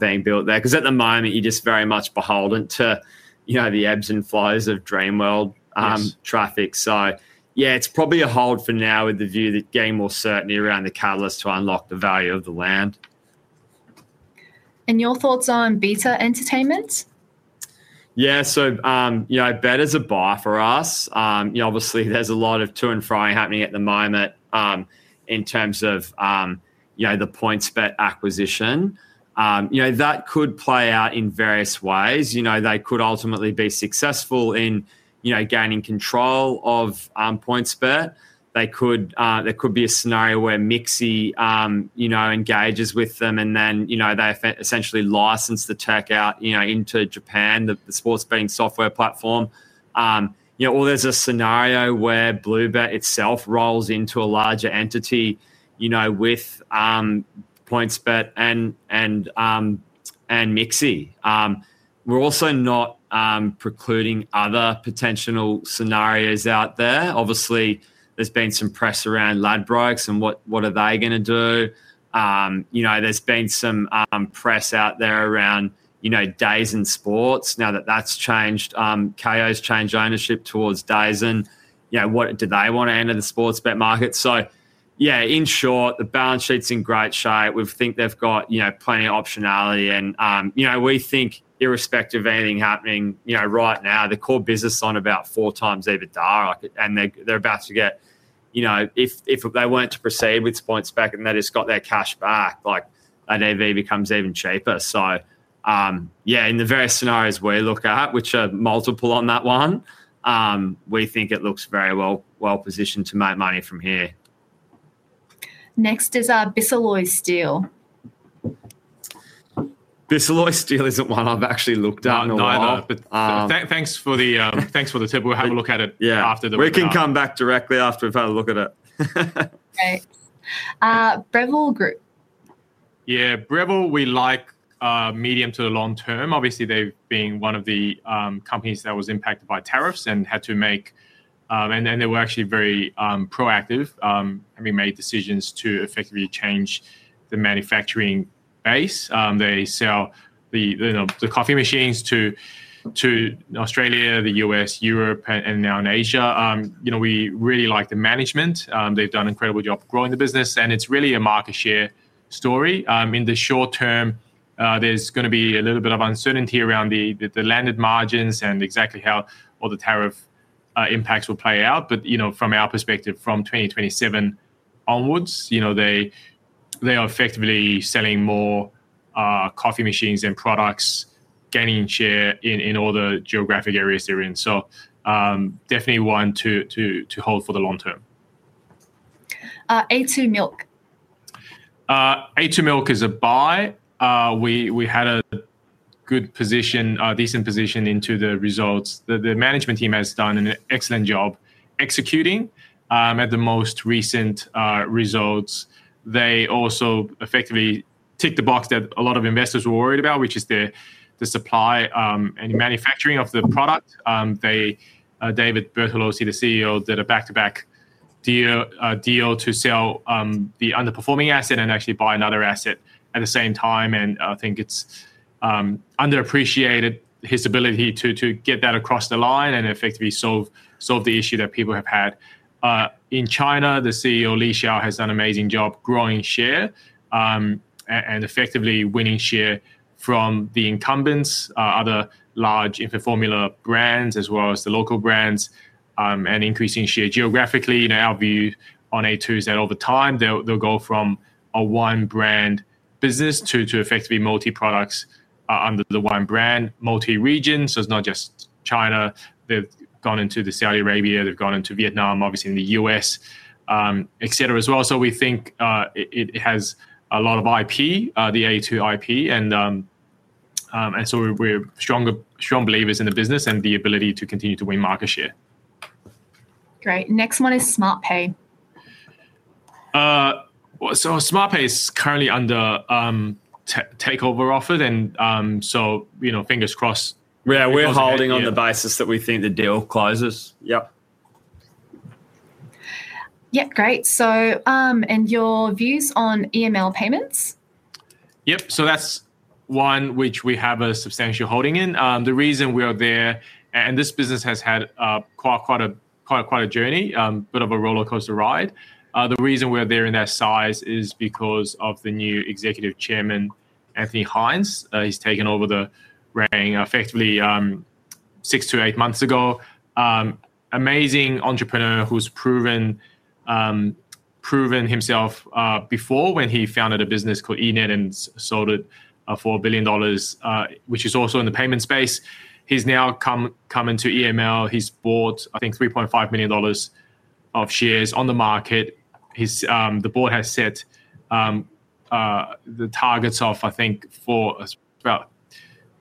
being built there, because at the moment, you're just very much beholden to the ebbs and flows of DreamWorld traffic. It's probably a hold for now with the view that getting more certainty around the catalyst to unlock the value of the land. Your thoughts on Beta Entertainment? Yeah, so, you know, Beta's a buy for us. Obviously, there's a lot of to and fro happening at the moment in terms of the PointsBet acquisition. That could play out in various ways. They could ultimately be successful in gaining control of PointsBet. There could be a scenario where Mixi engages with them and then they essentially license the tech out into Japan, the sports betting software platform. Or there's a scenario where BlueBet itself rolls into a larger entity with PointsBet and Mixi. We're also not precluding other potential scenarios out there. Obviously, there's been some press around Ladbrokes and what are they going to do? There's been some press out there around DAZN and Sports. Now that that's changed, Kayo's changed ownership towards DAZN, and what do they want to enter the sports bet market? In short, the balance sheet's in great shape. We think they've got plenty of optionality and we think irrespective of anything happening right now, the core business is on about four times EBITDA. They're about to get, if they wanted to proceed with PointsBet and they just got their cash back, like an EV becomes even cheaper. In the various scenarios we look at, which are multiple on that one, we think it looks very well positioned to make money from here. Next is Bisalloy Steel. Bisalloy Steel isn't one I've actually looked at. No, thanks for the tip. We'll have a look at it after the break. We can come back directly after we've had a look at it. Breville Group. Yeah, Breville, we like medium to the long term. Obviously, they've been one of the companies that was impacted by tariffs and had to make, and they were actually very proactive, having made decisions to effectively change the manufacturing base. They sell the coffee machines to Australia, the U.S., Europe, and now in Asia. We really like the management. They've done an incredible job growing the business, and it's really a market share story. In the short term, there's going to be a little bit of uncertainty around the landed margins and exactly how all the tariff impacts will play out. From our perspective, from 2027 onwards, they are effectively selling more coffee machines and products, gaining share in all the geographic areas they're in. Definitely one to hold for the long term. A2 Milk. A2 Milk is a buy. We had a good position, decent position into the results. The management team has done an excellent job executing at the most recent results. They also effectively ticked the box that a lot of investors were worried about, which is the supply and manufacturing of the product. David Bertoluzzi, the CEO, did a back-to-back deal to sell the underperforming asset and actually buy another asset at the same time. I think it's underappreciated, his ability to get that across the line and effectively solve the issue that people have had. In China, the CEO, Li Xiao, has done an amazing job growing share and effectively winning share from the incumbents, other large infant formula brands, as well as the local brands, and increasing share geographically. You know, our view on A2 is that over time they'll go from a one-brand business to effectively multi-products under the one brand, multi-regions. It's not just China. They've gone into Saudi Arabia. They've gone into Vietnam, obviously in the U.S., et cetera as well. We think it has a lot of IP, the A2 IP. We're strong believers in the business and the ability to continue to win market share. Great. Next one is SmartPay. SmartPay is currently under takeover offer, so, you know, fingers crossed. Yeah, we're holding on the basis that we think the deal closes. Great. Your views on EML payments? Yep, so that's one which we have a substantial holding in. The reason we are there, and this business has had quite a journey, a bit of a rollercoaster ride. The reason we're there in that size is because of the new Executive Chairman, Anthony Hines. He's taken over the reins effectively six to eight months ago. Amazing entrepreneur who's proven himself before when he founded a business called eNet and sold it for $4 billion, which is also in the payment space. He's now come into EML. He's bought, I think, $3.5 million of shares on the market. The board has set the targets of, I think, for about,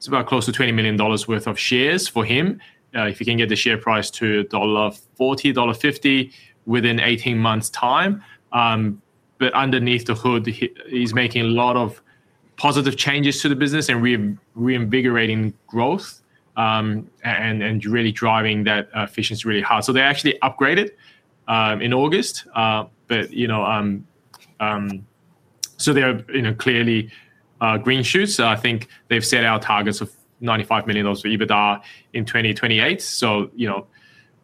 it's about close to $20 million worth of shares for him if he can get the share price to $1.40, $1.50 within 18 months' time. Underneath the hood, he's making a lot of positive changes to the business and reinvigorating growth and really driving that efficiency really high. They actually upgraded in August. They're in a clearly green shoot. I think they've set our targets of $95 million for EBITDA in 2028.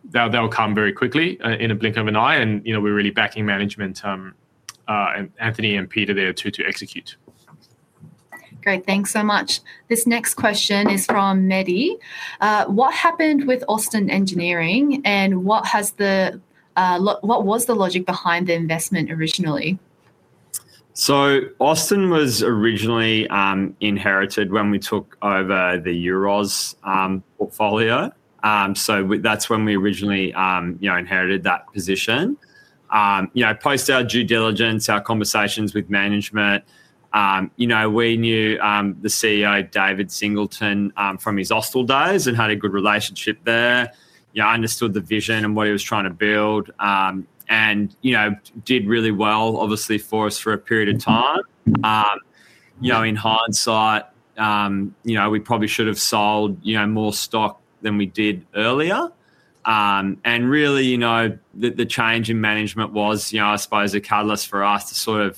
That'll come very quickly in a blink of an eye. We're really backing management and Anthony and Peter there to execute. Great. Thanks so much. This next question is from Mehdi. What happened with Austin Engineering and what was the logic behind the investment originally? Austin was originally inherited when we took over the Euroz portfolio. That's when we originally inherited that position. Post our due diligence, our conversations with management, we knew the CEO, David Singleton, from his Austal days and had a good relationship there. We understood the vision and what he was trying to build and did really well, obviously, for us for a period of time. In hindsight, we probably should have sold more stock than we did earlier. The change in management was, I suppose, a catalyst for us to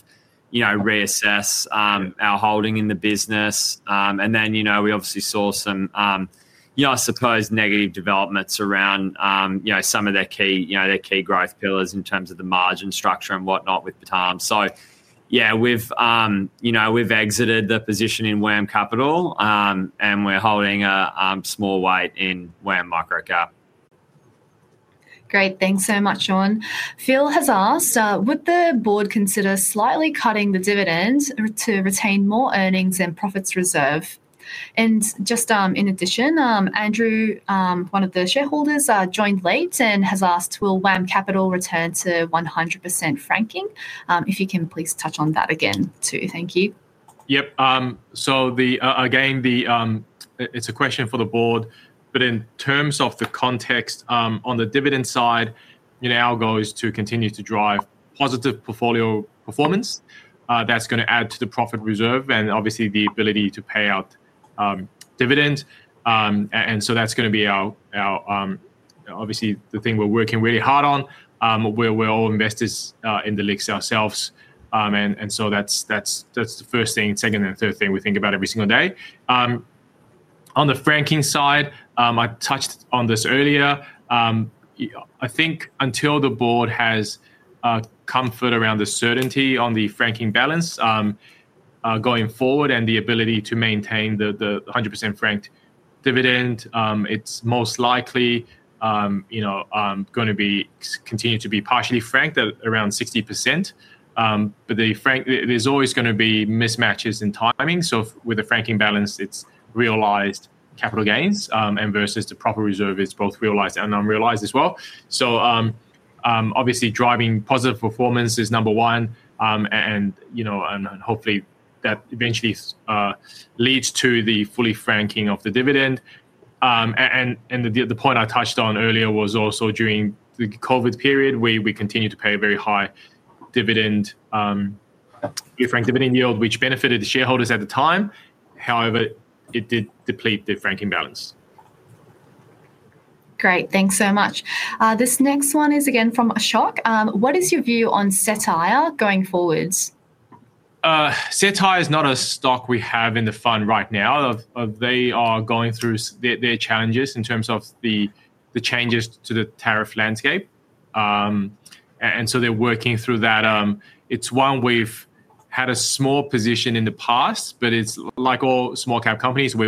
reassess our holding in the business. We obviously saw some negative developments around some of their key growth pillars in terms of the margin structure and whatnot with Batam. We've exited the position in WAM Capital and we're holding a small weight in WAM Microcap. Great. Thanks so much, Sean. Phil has asked, would the board consider slightly cutting the dividends to retain more earnings and profits reserve? In addition, Andrew, one of the shareholders, joined late and has asked, will WAM Microcap return to 100% franking? If you can please touch on that again too. Thank you. Yep. Again, it's a question for the board, but in terms of the context on the dividend side, our goal is to continue to drive positive portfolio performance. That's going to add to the profit reserve and obviously the ability to pay out dividends. That's going to be, obviously, the thing we're working really hard on. We're all investors in the WAM Microcap ourselves. That's the first thing, second and third thing we think about every single day. On the franking side, I touched on this earlier. I think until the board has comfort around the certainty on the franking balance going forward and the ability to maintain the 100% franked dividend, it's most likely going to continue to be partially franked at around 60%. There's always going to be mismatches in timing. With the franking balance, it's realized capital gains, and versus the profit reserve is both realized and unrealized as well. Obviously, driving positive performance is number one. Hopefully that eventually leads to the fully franking of the dividend. The point I touched on earlier was also during the COVID period, we continued to pay a very high dividend, a franked dividend yield, which benefited the shareholders at the time. However, it did deplete the franking balance. Great. Thanks so much. This next one is again from Ashok. What is your view on Setai going forwards? Setai is not a stock we have in the fund right now. They are going through their challenges in terms of the changes to the tariff landscape. They're working through that. It's one we've had a small position in the past, but like all small cap companies, we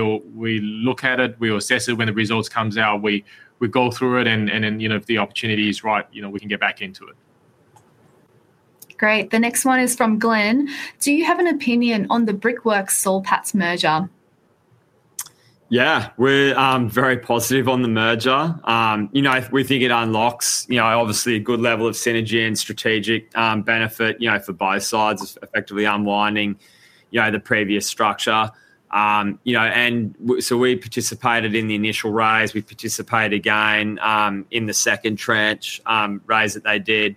look at it, we assess it when the results come out, we go through it, and if the opportunity is right, we can get back into it. Great. The next one is from Glenn. Do you have an opinion on the Brickworks Solpats merger? Yeah, we're very positive on the merger. We think it unlocks, obviously, a good level of synergy and strategic benefit for both sides of effectively unwinding the previous structure. We participated in the initial raise, we participated again in the second tranche raise that they did.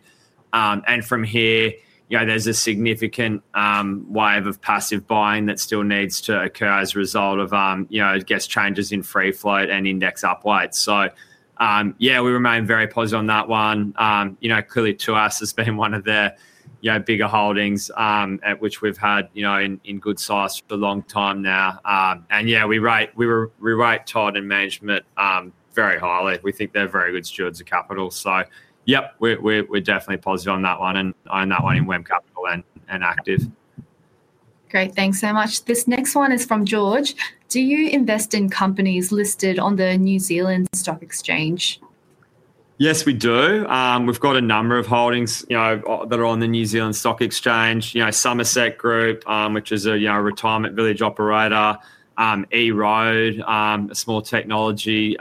From here, there's a significant wave of passive buying that still needs to occur as a result of changes in free float and index upweights. We remain very positive on that one. Clearly to us, it's been one of the bigger holdings at which we've had in good size for a long time now. We rate Todd and management very highly. We think they're very good stewards of capital. We're definitely positive on that one and own that one in WAM Capital and Active. Great, thanks so much. This next one is from George. Do you invest in companies listed on the New Zealand Stock Exchange? Yes, we do. We've got a number of holdings that are on the New Zealand Stock Exchange, Somerset Group, which is a retirement village operator, eRoad, a small technology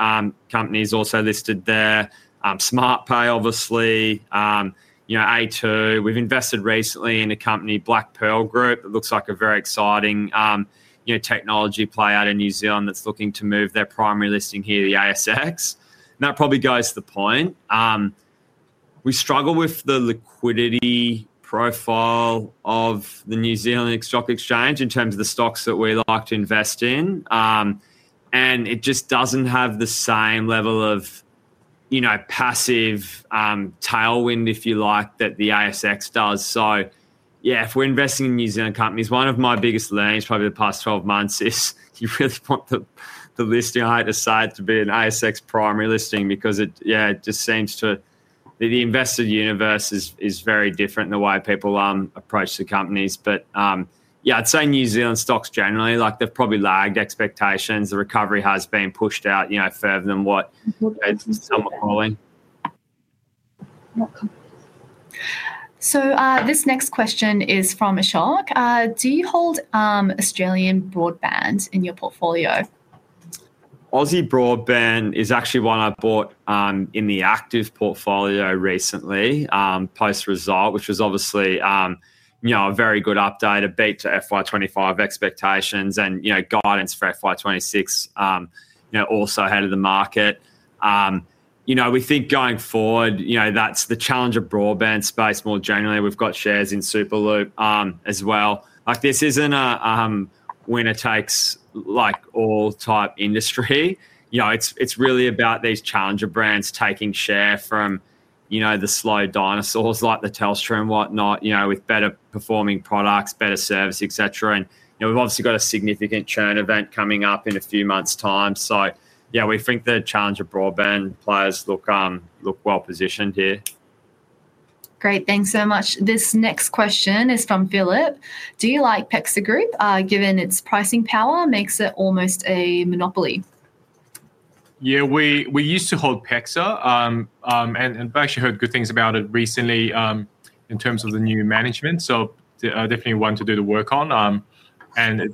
company is also listed there, SmartPay obviously, A2. We've invested recently in a company, Black Pearl Group. It looks like a very exciting technology player in New Zealand that's looking to move their primary listing here, the ASX. That probably goes to the point. We struggle with the liquidity profile of the New Zealand Stock Exchange in terms of the stocks that we like to invest in. It just doesn't have the same level of passive tailwind, if you like, that the ASX does. If we're investing in New Zealand companies, one of my biggest learnings probably the past 12 months is you really want the listing on either side to be an ASX primary listing because it just seems to be the invested universe is very different in the way people approach the companies. I'd say New Zealand stocks generally, like they've probably lagged expectations. The recovery has been pushed out further than what some are calling. This next question is from Ashok. Do you hold Australian broadband in your portfolio? Aussie Broadband is actually one I bought in the active portfolio recently, post-result, which was obviously a very good update, a beat to FY2025 expectations, and guidance for FY2026 also ahead of the market. We think going forward, that's the challenge of broadband space more generally. We've got shares in Superloop as well. This isn't a winner takes all type industry. It's really about these challenger brands taking share from the slow dinosaurs like Telstra and whatnot, with better performing products, better service, et cetera. We've obviously got a significant churn event coming up in a few months' time. We think the challenger broadband players look well positioned here. Great, thanks so much. This next question is from Philip. Do you like PEXA Group given its pricing power makes it almost a monopoly? We used to hold PEXA and actually heard good things about it recently in terms of the new management. It is definitely one to do the work on. It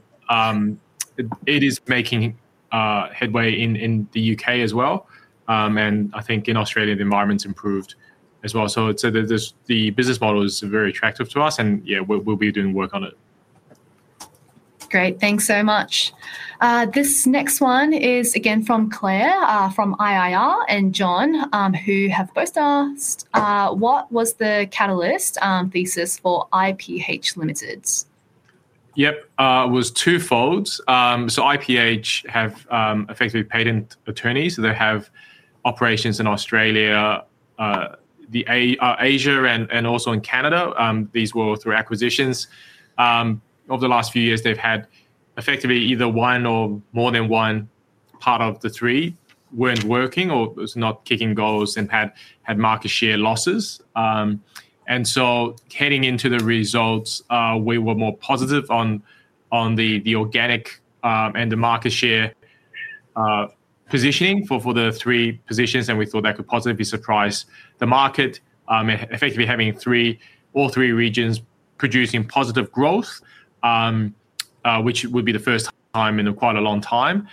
is making headway in the UK as well. I think in Australia, the environment's improved as well. I'd say that the business model is very attractive to us and we'll be doing work on it. Great, thanks so much. This next one is again from Claire from IIR and John who have both asked what was the catalyst thesis for IPH Limited's. Yep, it was twofold. IPH have effectively patent attorneys. They have operations in Australia, Asia, and also in Canada. These were through acquisitions. Over the last few years, they've had effectively either one or more than one part of the three weren't working or it was not kicking goals and had market share losses. Heading into the results, we were more positive on the organic and the market share positioning for the three positions, and we thought that could positively surprise the market, effectively having all three regions producing positive growth, which would be the first time in quite a long time.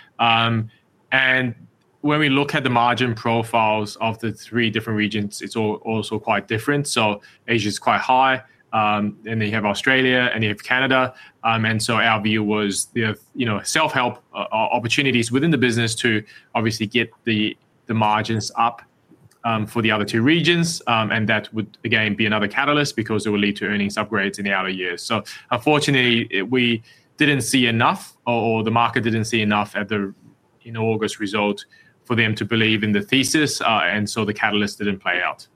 When we look at the margin profiles of the three different regions, it's also quite different. Asia is quite high, and then you have Australia and you have Canada. Our view was, you know, self-help opportunities within the business to obviously get the margins up for the other two regions. That would again be another catalyst because it would lead to earnings upgrades in the outer years. Unfortunately, we didn't see enough or the market didn't see enough at the August result for them to believe in the thesis. The catalyst didn't play out.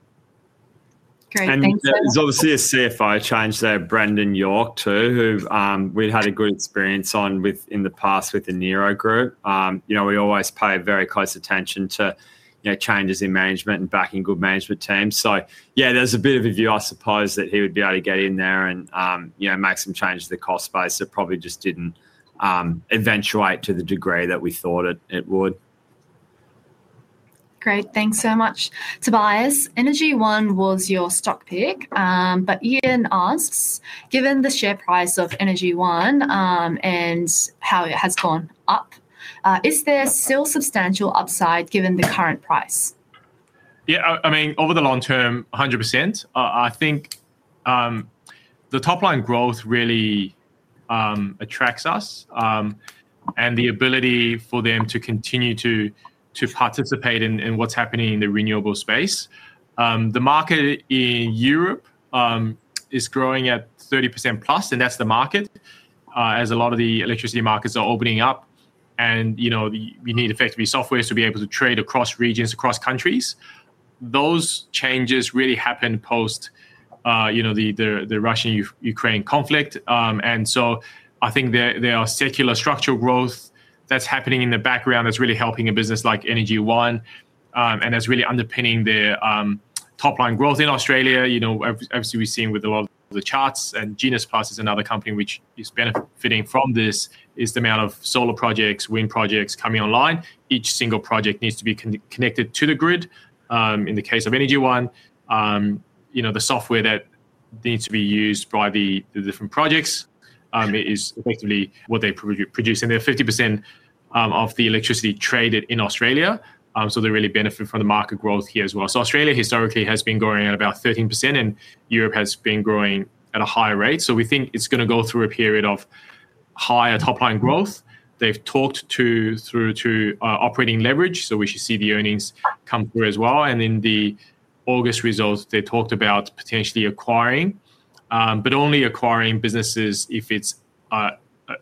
Great, thanks. There's obviously a CFO change there, Brendan York too, who we'd had a good experience on in the past with the Nero Group. We always pay very close attention to changes in management and backing good management teams. There's a bit of a view, I suppose, that he would be able to get in there and make some changes to the cost base. It probably just didn't eventuate to the degree that we thought it would. Great, thanks so much. Tobias, Energy One was your stock pick, but Ian asks, given the share price of Energy One and how it has gone up, is there still substantial upside given the current price? Yeah, I mean, over the long term, 100%. I think the top line growth really attracts us and the ability for them to continue to participate in what's happening in the renewable space. The market in Europe is growing at 30%+, and that's the market as a lot of the electricity markets are opening up. You know, you need effectively software to be able to trade across regions, across countries. Those changes really happened post the Russian-Ukraine conflict. I think there are secular structural growth trends happening in the background that's really helping a business like Energy One, and that's really underpinning the top line growth in Australia. Obviously, we've seen with a lot of the charts, and Genus Plus is another company which is benefiting from this, the amount of solar projects, wind projects coming online. Each single project needs to be connected to the grid. In the case of Energy One, the software that needs to be used by the different projects is effectively what they produce, and they're 50% of the electricity traded in Australia. They really benefit from the market growth here as well. Australia historically has been growing at about 13%, and Europe has been growing at a higher rate. We think it's going to go through a period of higher top line growth. They've talked through to operating leverage, so we should see the earnings come through as well. In the August results, they talked about potentially acquiring, but only acquiring businesses if it's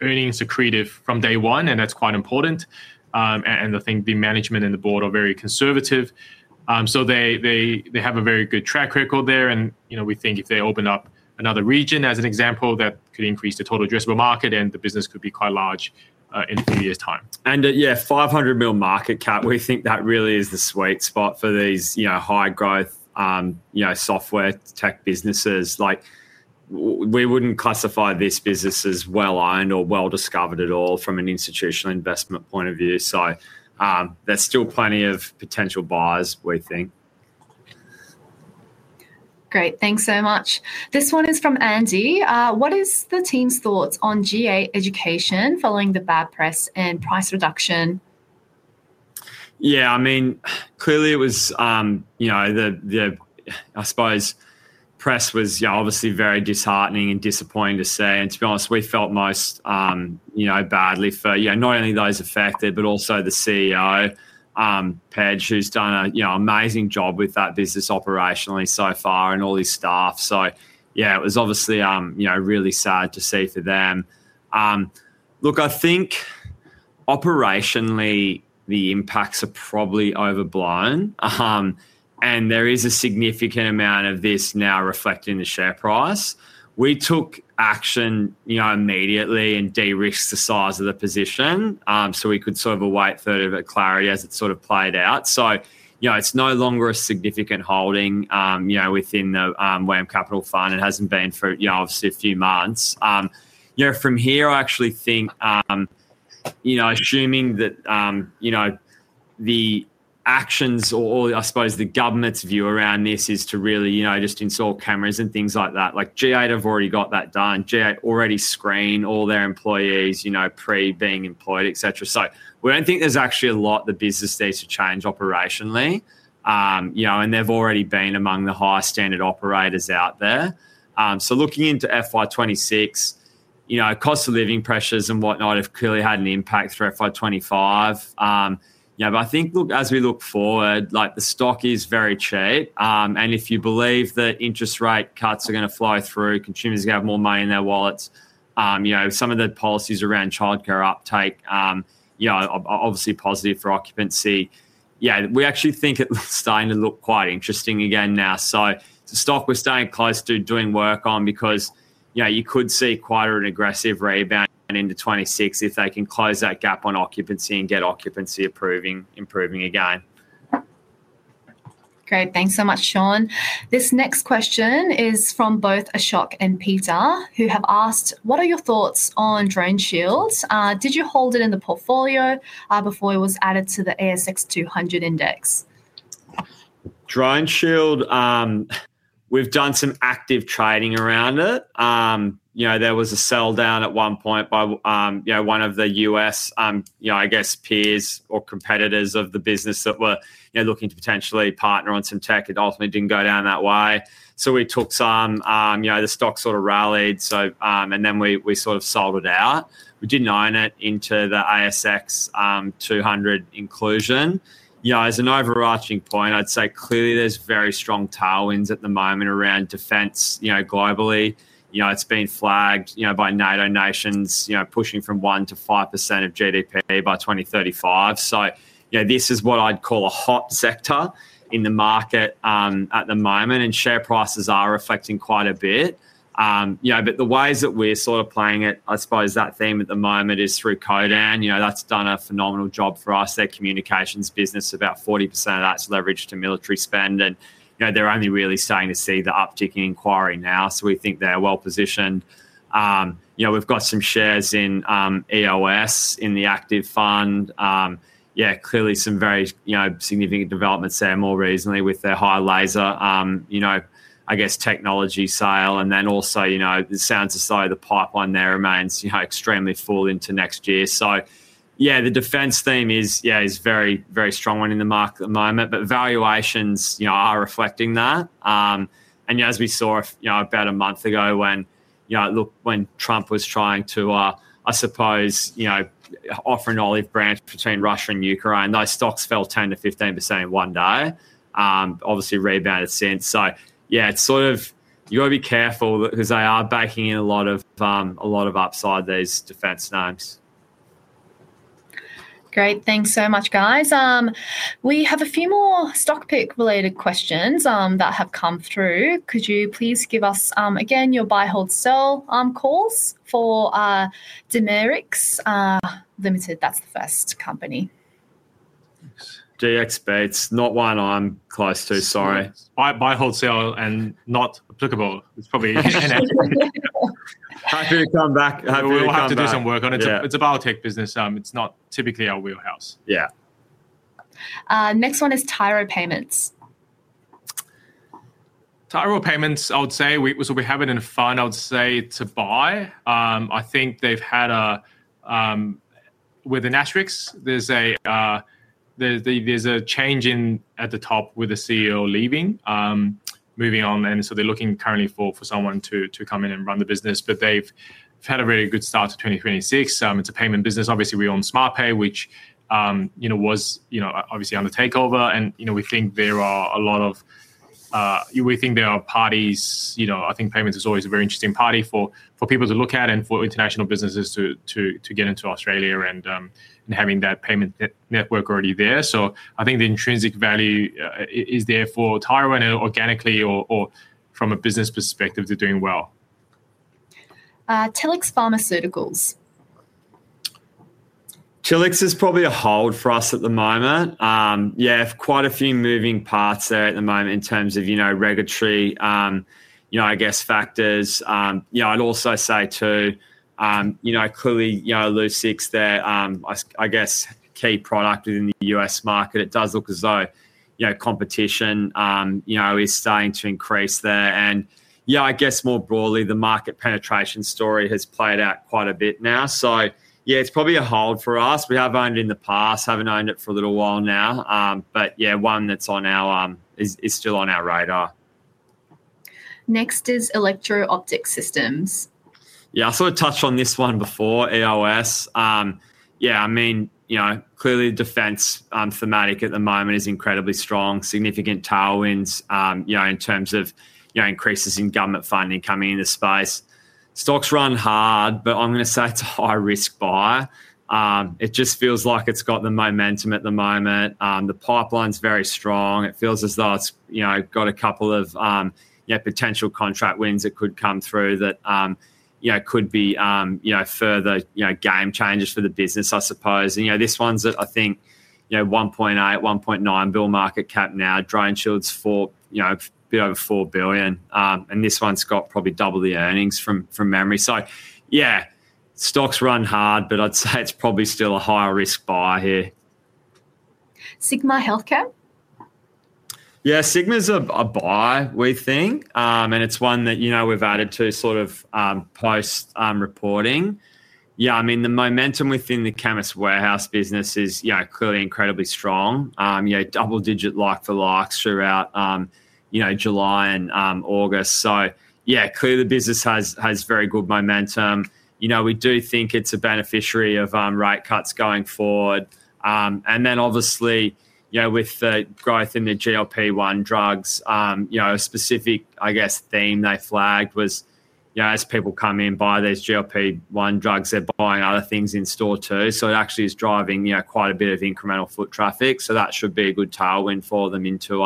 earnings accretive from day one, and that's quite important. I think the management and the board are very conservative, so they have a very good track record there. We think if they open up another region as an example, that could increase the total addressable market and the business could be quite large in a few years' time. Yeah, $500 million market cap, we think that really is the sweet spot for these high growth software tech businesses. We wouldn't classify this business as well owned or well discovered at all from an institutional investment point of view, so there's still plenty of potential buyers, we think. Great, thanks so much. This one is from Andy. What is the team's thoughts on GA education following the bad press and price reduction? Yeah, I mean, clearly it was, you know, the, I suppose, press was obviously very disheartening and disappointing to see. To be honest, we felt most badly for not only those affected, but also the CEO, Pedge, who's done an amazing job with that business operationally so far and all his staff. It was obviously really sad to see for them. I think operationally, the impacts are probably overblown, and there is a significant amount of this now reflecting the share price. We took action immediately and de-risked the size of the position so we could sort of await further clarity as it played out. It's no longer a significant holding within the WAM Microcap Fund. It hasn't been for a few months. From here, I actually think, assuming that the actions or, I suppose, the government's view around this is to really just install cameras and things like that, like GA have already got that done. GA already screen all their employees pre-being employed, et cetera. We don't think there's actually a lot the business needs to change operationally, and they've already been among the highest standard operators out there. Looking into FY2026, cost of living pressures and whatnot have clearly had an impact through FY2025. I think as we look forward, the stock is very cheap, and if you believe that interest rate cuts are going to flow through, consumers are going to have more money in their wallets. Some of the policies around childcare uptake are obviously positive for occupancy. We actually think it's starting to look quite interesting again now. The stock we're staying close to doing work on because you could see quite an aggressive rebound into 2026 if they can close that gap on occupancy and get occupancy improving again. Great, thanks so much, Sean. This next question is from both Ashok and Peter, who have asked, what are your thoughts on DroneShield? Did you hold it in the portfolio before it was added to the ASX 200 index? DroneShield, we've done some active trading around it. There was a sell down at one point by one of the U.S., I guess, peers or competitors of the business that were looking to potentially partner on some tech. It ultimately didn't go down that way. We took some, the stock sort of rallied, and then we sort of sold it out. We didn't own it into the ASX 200 inclusion. As an overarching point, I'd say clearly there's very strong tailwinds at the moment around defense globally. It's been flagged by NATO nations, pushing from 1% to 5% of GDP by 2035. This is what I'd call a hot sector in the market at the moment, and share prices are affecting quite a bit. The ways that we're sort of playing it, I suppose that theme at the moment is through Codan. That's done a phenomenal job for us. Their communications business, about 40% of that's leveraged to military spend, and they're only really starting to see the uptick in inquiry now. We think they're well positioned. We've got some shares in EOS in the active fund. Clearly some very significant developments there more recently with their high laser technology sale, and the sounds of the pipeline there remains extremely full into next year. The defense theme is a very, very strong one in the market at the moment, but valuations are reflecting that. As we saw about a month ago when Trump was trying to, I suppose, offer an olive branch between Russia and Ukraine, those stocks fell 10% to 15% in one day. Obviously rebounded since. You've got to be careful because they are baking in a lot of upside, these defense names. Great, thanks so much, guys. We have a few more stock pick related questions that have come through. Could you please give us again your buy/hold/sell calls for Dimerix Limited? That's the first company. DXB, it's not one I'm close to, sorry. Buy-hold-sell and not applicable. Probably inevitable. Happy to come back. We'll have to do some work on it. It's a biotech business. It's not typically our wheelhouse. Next one is Tyro Payments. Tyro Payments, I would say, so we have it in fund, I would say, to buy. I think they've had a, with the matrix, there's a change at the top with the CEO leaving, moving on. They are looking currently for someone to come in and run the business. They've had a very good start to 2026. It's a payment business. Obviously, we own SmartPay, which was obviously under takeover. We think there are a lot of, we think there are parties, I think payments is always a very interesting party for people to look at and for international businesses to get into Australia and having that payment network already there. I think the intrinsic value is there for Tyro and organically or from a business perspective, they're doing well. Tillx Pharmaceuticals. Tillx is probably a hold for us at the moment. Quite a few moving parts there at the moment in terms of regulatory factors. I'd also say too, clearly, Lucyx there, key product within the U.S. market. It does look as though competition is starting to increase there. I guess more broadly, the market penetration story has played out quite a bit now. It's probably a hold for us. We have owned it in the past, haven't owned it for a little while now. One that's still on our radar. Next is Electro Optic Systems. Yeah, I sort of touched on this one before, EOS. I mean, clearly the defense thematic at the moment is incredibly strong, significant tailwinds in terms of increases in government funding coming into the space. Stocks run hard, but I'm going to say it's a high-risk buy. It just feels like it's got the momentum at the moment. The pipeline's very strong. It feels as though it's got a couple of potential contract wins that could come through that could be further game changers for the business, I suppose. This one's at, I think, $1.8, $1.9 billion market cap now. DroneShield's for a bit over $4 billion. This one's got probably double the earnings from memory. Stocks run hard, but I'd say it's probably still a higher risk buy here. Sigma Healthcare. Yeah, Sigma's a buy, we think. It's one that we've added to sort of post-reporting. The momentum within the Chemist Warehouse business is clearly incredibly strong, double digit like the likes throughout July and August. Clearly, the business has very good momentum. We do think it's a beneficiary of rate cuts going forward. Obviously, with the growth in the GLP-1 drugs, a specific theme they flagged was as people come in, buy those GLP-1 drugs, they're buying other things in store too. It actually is driving quite a bit of incremental foot traffic. That should be a good tailwind for them into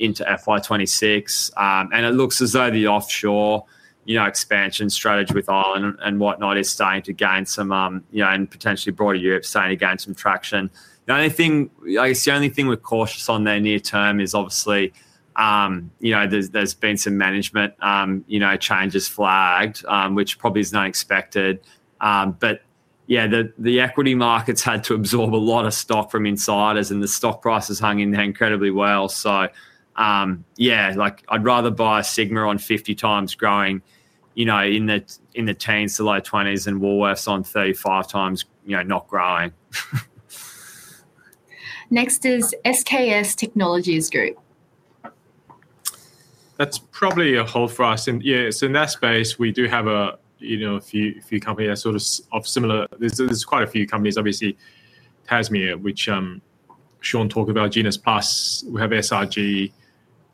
FY2026. It looks as though the offshore expansion strategy with Ireland and whatnot is starting to gain some, and potentially broader Europe, starting to gain some traction. The only thing we're cautious on there near term is obviously there's been some management changes flagged, which probably is not expected. The equity markets had to absorb a lot of stock from insiders and the stock price has hung in there incredibly well. I'd rather buy a Sigma on 50 times growing in the teens to low 20s than Woolworths on 35 times not growing. Next is SKS Technologies Group. That's probably a hold for us. In that space, we do have a few companies that are sort of similar. There's quite a few companies, obviously Tasmea Limited, which Sean talked about, Genus Plus, we have SRG,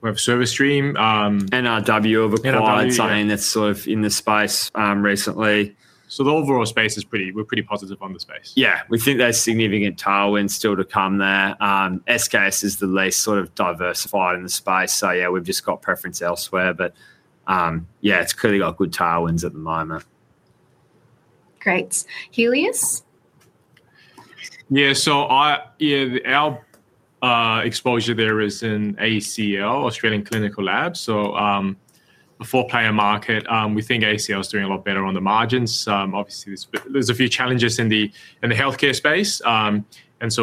we have Service Stream, and our W over Quality that's sort of in the space recently. The overall space is pretty, we're pretty positive on the space. We think that's significant tailwinds still to come there. SKS is the least sort of diversified in the space. We've just got preference elsewhere. It's clearly got good tailwinds at the moment. Great. Helios. Yeah, our exposure there is in ACL, Australian Clinical Labs. A four-payer market, we think ACL is doing a lot better on the margins. Obviously, there's a few challenges in the healthcare space.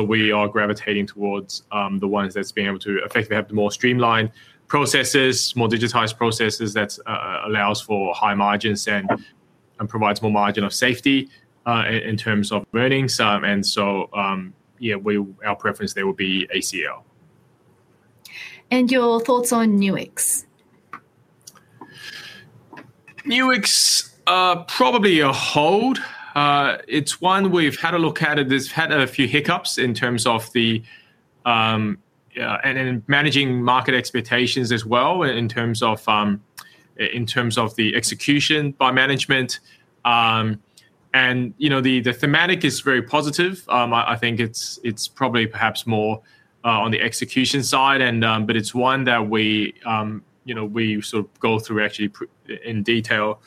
We are gravitating towards the ones that's been able to effectively have more streamlined processes, more digitized processes that allow us for high margins and provide more margin of safety in terms of earnings. Our preference there would be ACL. Your thoughts on Nuix? Nuwix probably a hold. It's one we've had a look at. It's had a few hiccups in terms of managing market expectations as well in terms of the execution by management. The thematic is very positive. I think it's probably perhaps more on the execution side, but it's one that we go through actually in detail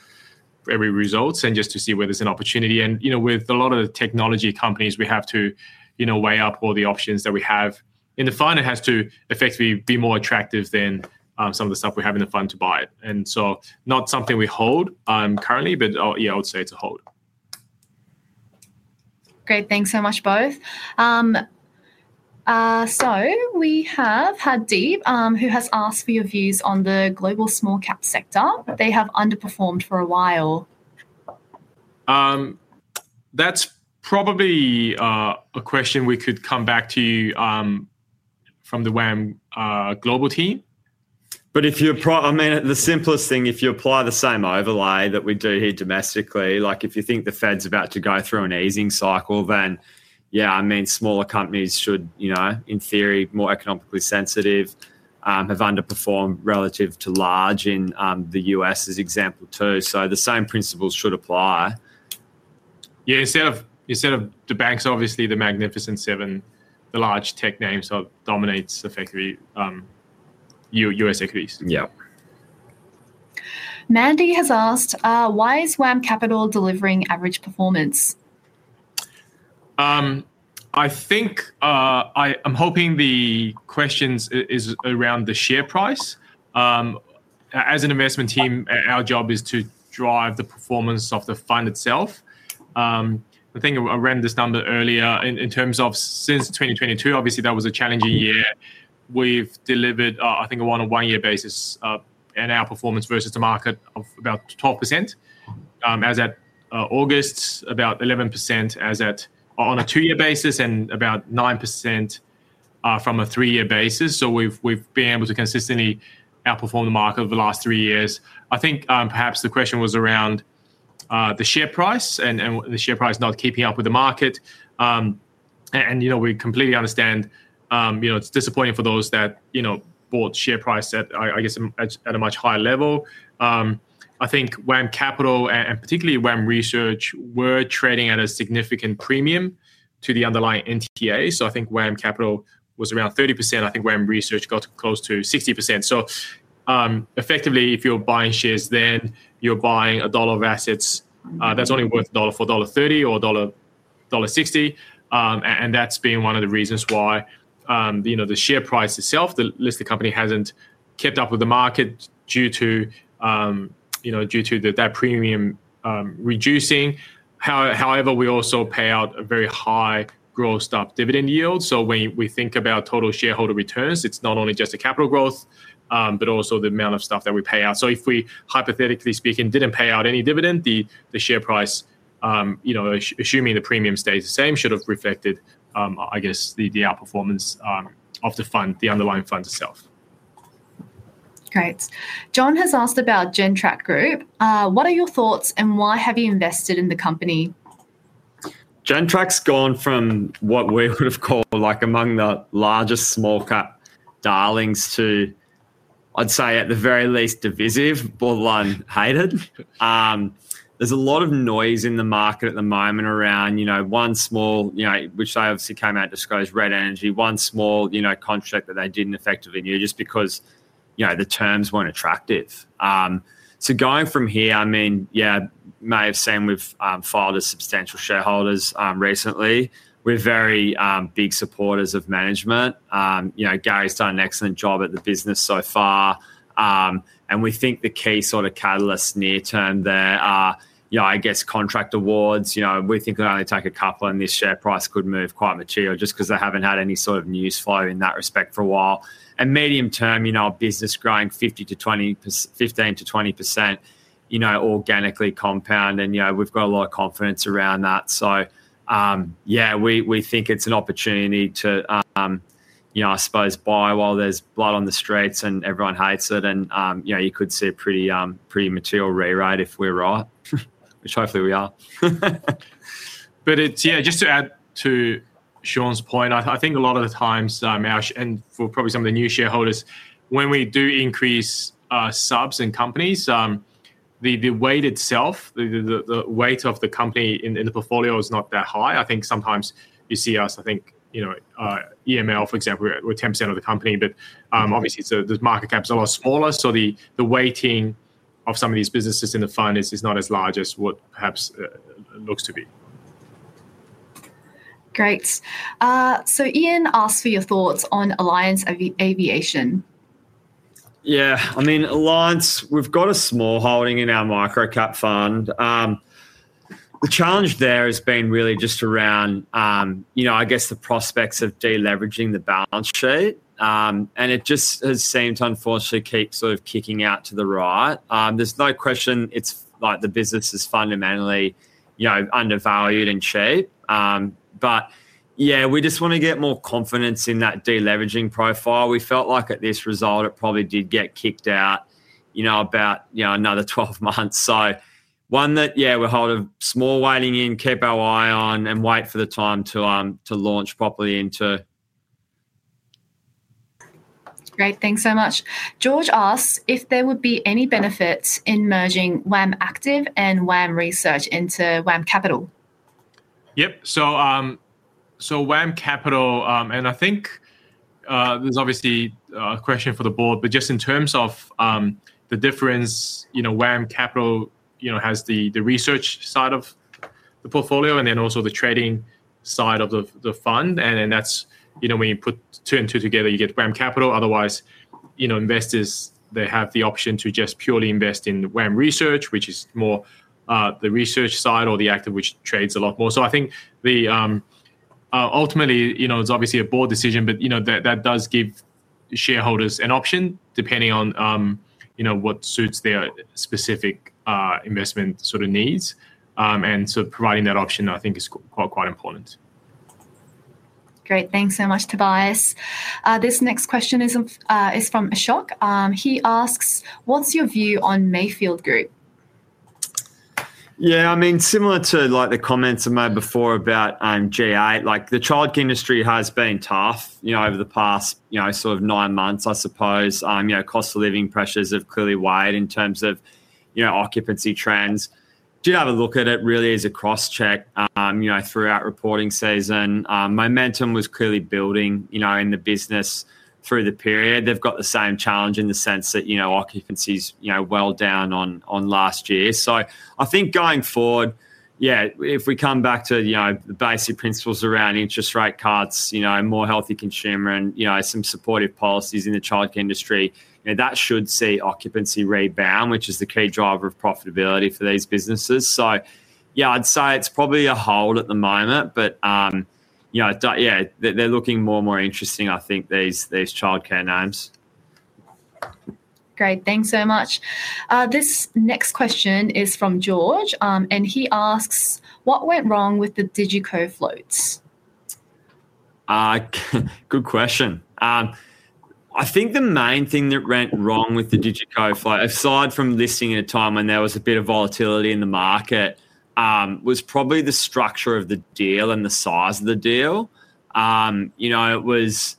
every result just to see where there's an opportunity. With a lot of the technology companies, we have to weigh up all the options that we have in the fund. It has to effectively be more attractive than some of the stuff we have in the fund to buy it. Not something we hold currently, but yeah, I would say it's a hold. Great, thanks so much both. We have Hadib who has asked for your views on the global small cap sector. They have underperformed for a while. That's probably a question we could come back to you from the WAM Global team. If you apply, I mean, the simplest thing, if you apply the same overlay that we do here domestically, like if you think the Fed's about to go through an easing cycle, then yeah, I mean, smaller companies should, you know, in theory, more economically sensitive, have underperformed relative to large in the U.S. as example too. The same principles should apply. Instead of the banks, obviously the Magnificent Seven, the large tech names dominate effectively U.S. equities. Yeah. Mandy has asked, why is WAM Capital delivering average performance? I think I'm hoping the question is around the share price. As an investment team, our job is to drive the performance of the fund itself. I think I ran this number earlier in terms of since 2022, obviously that was a challenging year. We've delivered, I think, on a one-year basis in our performance versus the market of about 12%. As at August, about 11% as at on a two-year basis and about 9% from a three-year basis. We've been able to consistently outperform the market over the last three years. I think perhaps the question was around the share price and the share price not keeping up with the market. We completely understand, it's disappointing for those that bought the share price at, I guess, at a much higher level. I think WAM Capital and particularly WAM Research were trading at a significant premium to the underlying NTA. I think WAM Capital was around 30%. I think WAM Research got close to 60%. Effectively, if you're buying shares, then you're buying a dollar of assets that's only worth a dollar for $1.30 or $1.60. That's been one of the reasons why the share price itself, the listed company, hasn't kept up with the market due to that premium reducing. However, we also pay out a very high growth stock dividend yield. When we think about total shareholder returns, it's not only just the capital growth, but also the amount of stuff that we pay out. If we, hypothetically speaking, didn't pay out any dividend, the share price, assuming the premium stays the same, should have reflected, I guess, the outperformance of the fund, the underlying fund itself. Great. John has asked about Gentrack Group. What are your thoughts and why have you invested in the company? Gentrack's gone from what we would have called among the largest small cap darlings to, I'd say at the very least, divisive, borderline hated. There's a lot of noise in the market at the moment around, you know, one small, you know, which they obviously came out and disclosed, Red Energy, one small, you know, contract that they didn't effectively do just because, you know, the terms weren't attractive. Going from here, I mean, you may have seen we've filed as substantial shareholders recently. We're very big supporters of management. You know, Gary's done an excellent job at the business so far. We think the key sort of catalysts near term there are, I guess, contract awards. We think it'll only take a couple and this share price could move quite material just because they haven't had any sort of news flow in that respect for a while. In the medium term, you know, our business growing 15% to 20%, you know, organically compound and, you know, we've got a lot of confidence around that. We think it's an opportunity to, you know, I suppose buy while there's blood on the streets and everyone hates it. You could see a pretty, pretty material re-rate if we're right, which hopefully we are. Just to add to Sean's point, I think a lot of the times now, and for probably some of the new shareholders, when we do increase subs and companies, the weight itself, the weight of the company in the portfolio is not that high. I think sometimes you see us, I think, you know, EML, for example, we're 10% of the company, but obviously the market cap is a lot smaller. The weighting of some of these businesses in the fund is not as large as what perhaps it looks to be. Great. Ian asked for your thoughts on Alliance Aviation. Yeah, I mean, Alliance, we've got a small holding in our micro-cap fund. The challenge there has been really just around, you know, I guess the prospects of deleveraging the balance sheet. It just has seemed, unfortunately, to keep sort of kicking out to the right. There's no question, it's like the business is fundamentally, you know, undervalued and cheap. We just want to get more confidence in that deleveraging profile. We felt like at this result, it probably did get kicked out, you know, about another 12 months. One that we're holding small weighting in, keep our eye on and wait for the time to launch properly into. Great, thanks so much. George asks if there would be any benefits in merging WAM Active Limited and WAM Research Limited into WAM Capital Limited. Yep, so WAM Capital, and I think there's obviously a question for the board, but just in terms of the difference, you know, WAM Capital has the research side of the portfolio and then also the trading side of the fund. That's, you know, when you put two and two together, you get WAM Capital. Otherwise, investors have the option to just purely invest in WAM Research, which is more the research side, or the active which trades a lot more. I think ultimately, it's obviously a board decision, but that does give shareholders an option depending on what suits their specific investment sort of needs. Providing that option, I think, is quite important. Great, thanks so much, Tobias. This next question is from Ashok. He asks, what's your view on Mayfield Group? Yeah, I mean, similar to the comments I made before about GA, the childcare industry has been tough over the past nine months, I suppose. Cost of living pressures have clearly weighed in terms of occupancy trends. Did have a look at it, really as a cross-check throughout reporting season. Momentum was clearly building in the business through the period. They've got the same challenge in the sense that occupancy is well down on last year. I think going forward, if we come back to the basic principles around interest rate cuts, more healthy consumer and some supportive policies in the childcare industry, that should see occupancy rebound, which is the key driver of profitability for these businesses. I'd say it's probably a hold at the moment, but they're looking more and more interesting, I think, these childcare names. Great, thanks so much. This next question is from George, and he asks, what went wrong with the Digico floats? Good question. I think the main thing that went wrong with the Digico float, aside from listing at a time when there was a bit of volatility in the market, was probably the structure of the deal and the size of the deal. It was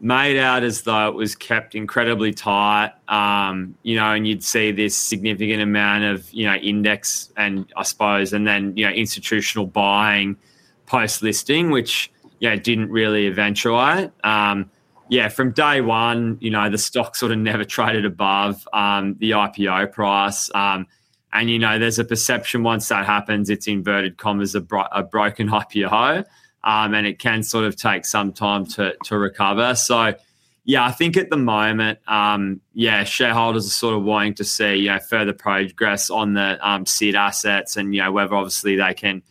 made out as though it was kept incredibly tight, and you'd see this significant amount of index and, I suppose, institutional buying post-listing, which didn't really eventuate. From day one, the stock sort of never traded above the IPO price. There's a perception once that happens, it's, in inverted commas, a broken IPO, and it can take some time to recover. I think at the moment, shareholders are wanting to see further progress on the seed assets and whether obviously they can,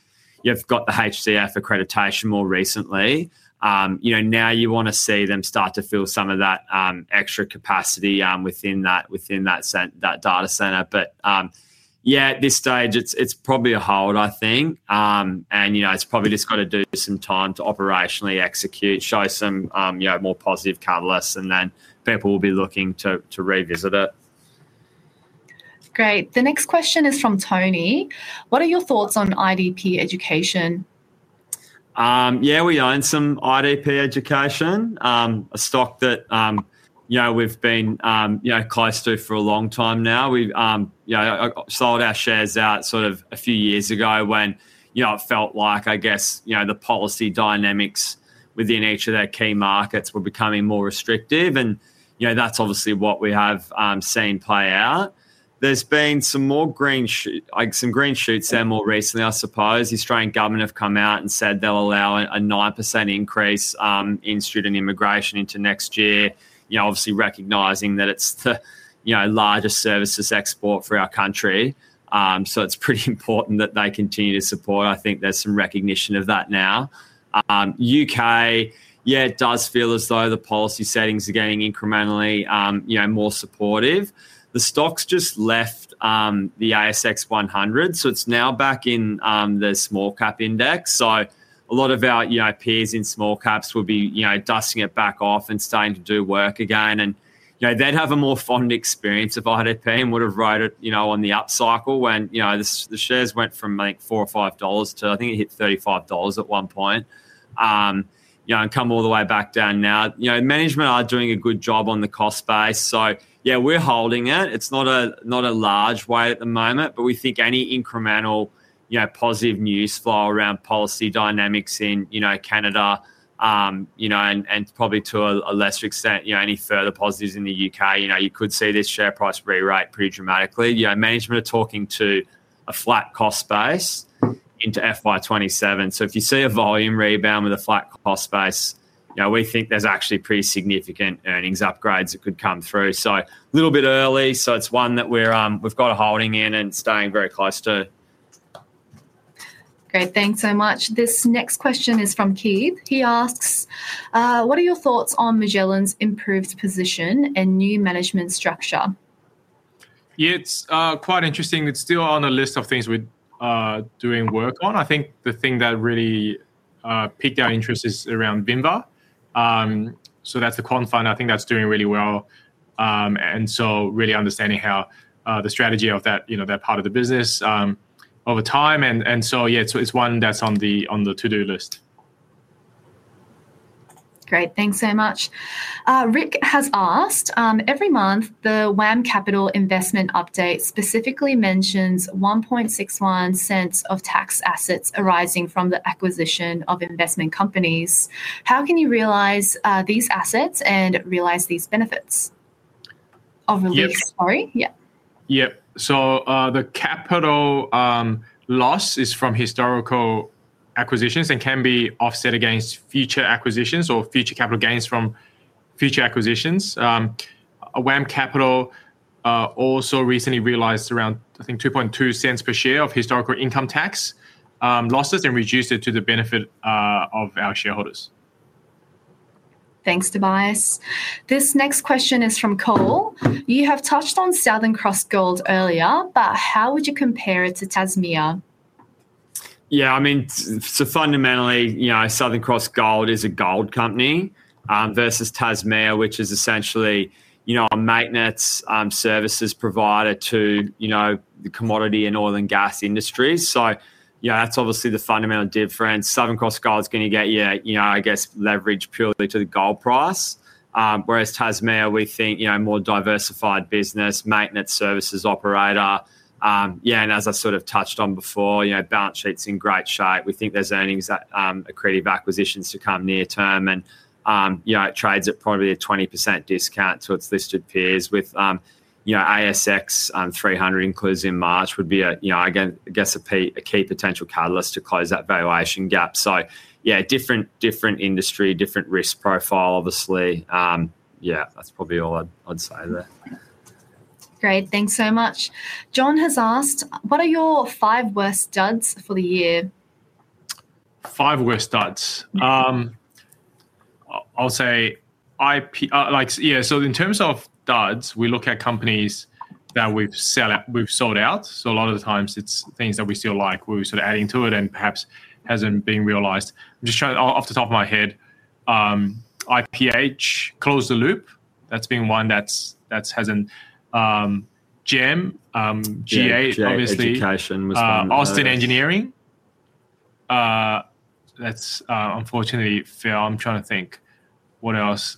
you've got the HDF accreditation more recently. Now you want to see them start to fill some of that extra capacity within that data center. At this stage, it's probably a hold, I think. It's probably just got to do some time to operationally execute, show some more positive catalysts, and then people will be looking to revisit it. Great. The next question is from Tony. What are your thoughts on IDP Education? Yeah, we own some IDP Education, a stock that we've been close to for a long time now. We sold our shares out sort of a few years ago when it felt like, I guess, the policy dynamics within each of their key markets were becoming more restrictive. That's obviously what we have seen play out. There's been some more green shoots, like some green shoots there more recently, I suppose. The Australian government have come out and said they'll allow a 9% increase in student immigration into next year, obviously recognizing that it's the largest services export for our country. It's pretty important that they continue to support. I think there's some recognition of that now. UK, yeah, it does feel as though the policy settings are getting incrementally more supportive. The stock's just left the ASX 100, so it's now back in the small cap index. A lot of our peers in small caps will be dusting it back off and starting to do work again. They'd have a more fund experience of IDP and would have rode it on the up cycle when the shares went from like $4 or $5 to, I think it hit $35 at one point, and come all the way back down now. Management are doing a good job on the cost base. We're holding it. It's not a large weight at the moment, but we think any incremental positive news flow around policy dynamics in Canada, and probably to a lesser extent, any further positives in the UK, you could see this share price re-rate pretty dramatically. Management are talking to a flat cost base into FY2027. If you see a volume rebound with a flat cost base, we think there's actually pretty significant earnings upgrades that could come through. A little bit early. It's one that we've got a holding in and staying very close to. Great, thanks so much. This next question is from Keith. He asks, what are your thoughts on Magellan's improved position and new management structure? Yeah, it's quite interesting. It's still on a list of things we're doing work on. I think the thing that really piqued our interest is around Bimba. That's a quantum fund. I think that's doing really well, so really understanding how the strategy of that, you know, that part of the business over time. It's one that's on the to-do list. Great, thanks so much. Rick has asked, every month the WAM Microcap investment update specifically mentions $0.0161 of tax assets arising from the acquisition of investment companies. How can you realize these assets and realize these benefits? Oh, relief, sorry. Yeah, the capital loss is from historical acquisitions and can be offset against future acquisitions or future capital gains from future acquisitions. WAM Microcap Limited also recently realized around $0.022 per share of historical income tax losses and reduced it to the benefit of our shareholders. Thanks, Tobias. This next question is from Cole. You have touched on Southern Cross Gold earlier, but how would you compare it to Tasmea? Yeah, I mean, so fundamentally, you know, Southern Cross Gold is a gold company versus Tasmea Limited, which is essentially, you know, a maintenance services provider to, you know, the commodity and oil and gas industries. That's obviously the fundamental difference. Southern Cross Gold is going to get, yeah, you know, I guess, leverage purely to the gold price. Whereas Tasmea Limited, we think, you know, more diversified business, maintenance services operator. Yeah, and as I sort of touched on before, you know, balance sheet's in great shape. We think there's earnings that accredit acquisitions to come near term and, you know, it trades at probably a 20% discount to its listed peers with, you know, ASX 300 includes in March would be a, you know, I guess a key potential catalyst to close that valuation gap. Yeah, different industry, different risk profile, obviously. That's probably all I'd say there. Great, thanks so much. John has asked, what are your five worst duds for the year? Five worst duds. I'll say IPH. In terms of duds, we look at companies that we've sold out. A lot of the times it's things that we still like, we're sort of adding to it and perhaps hasn't been realized. I'm just trying to, off the top of my head, IPH, Close the Loop, that's been one that hasn't jammed. GA is obviously... Austin Engineering, that's unfortunately fail. I'm trying to think what else.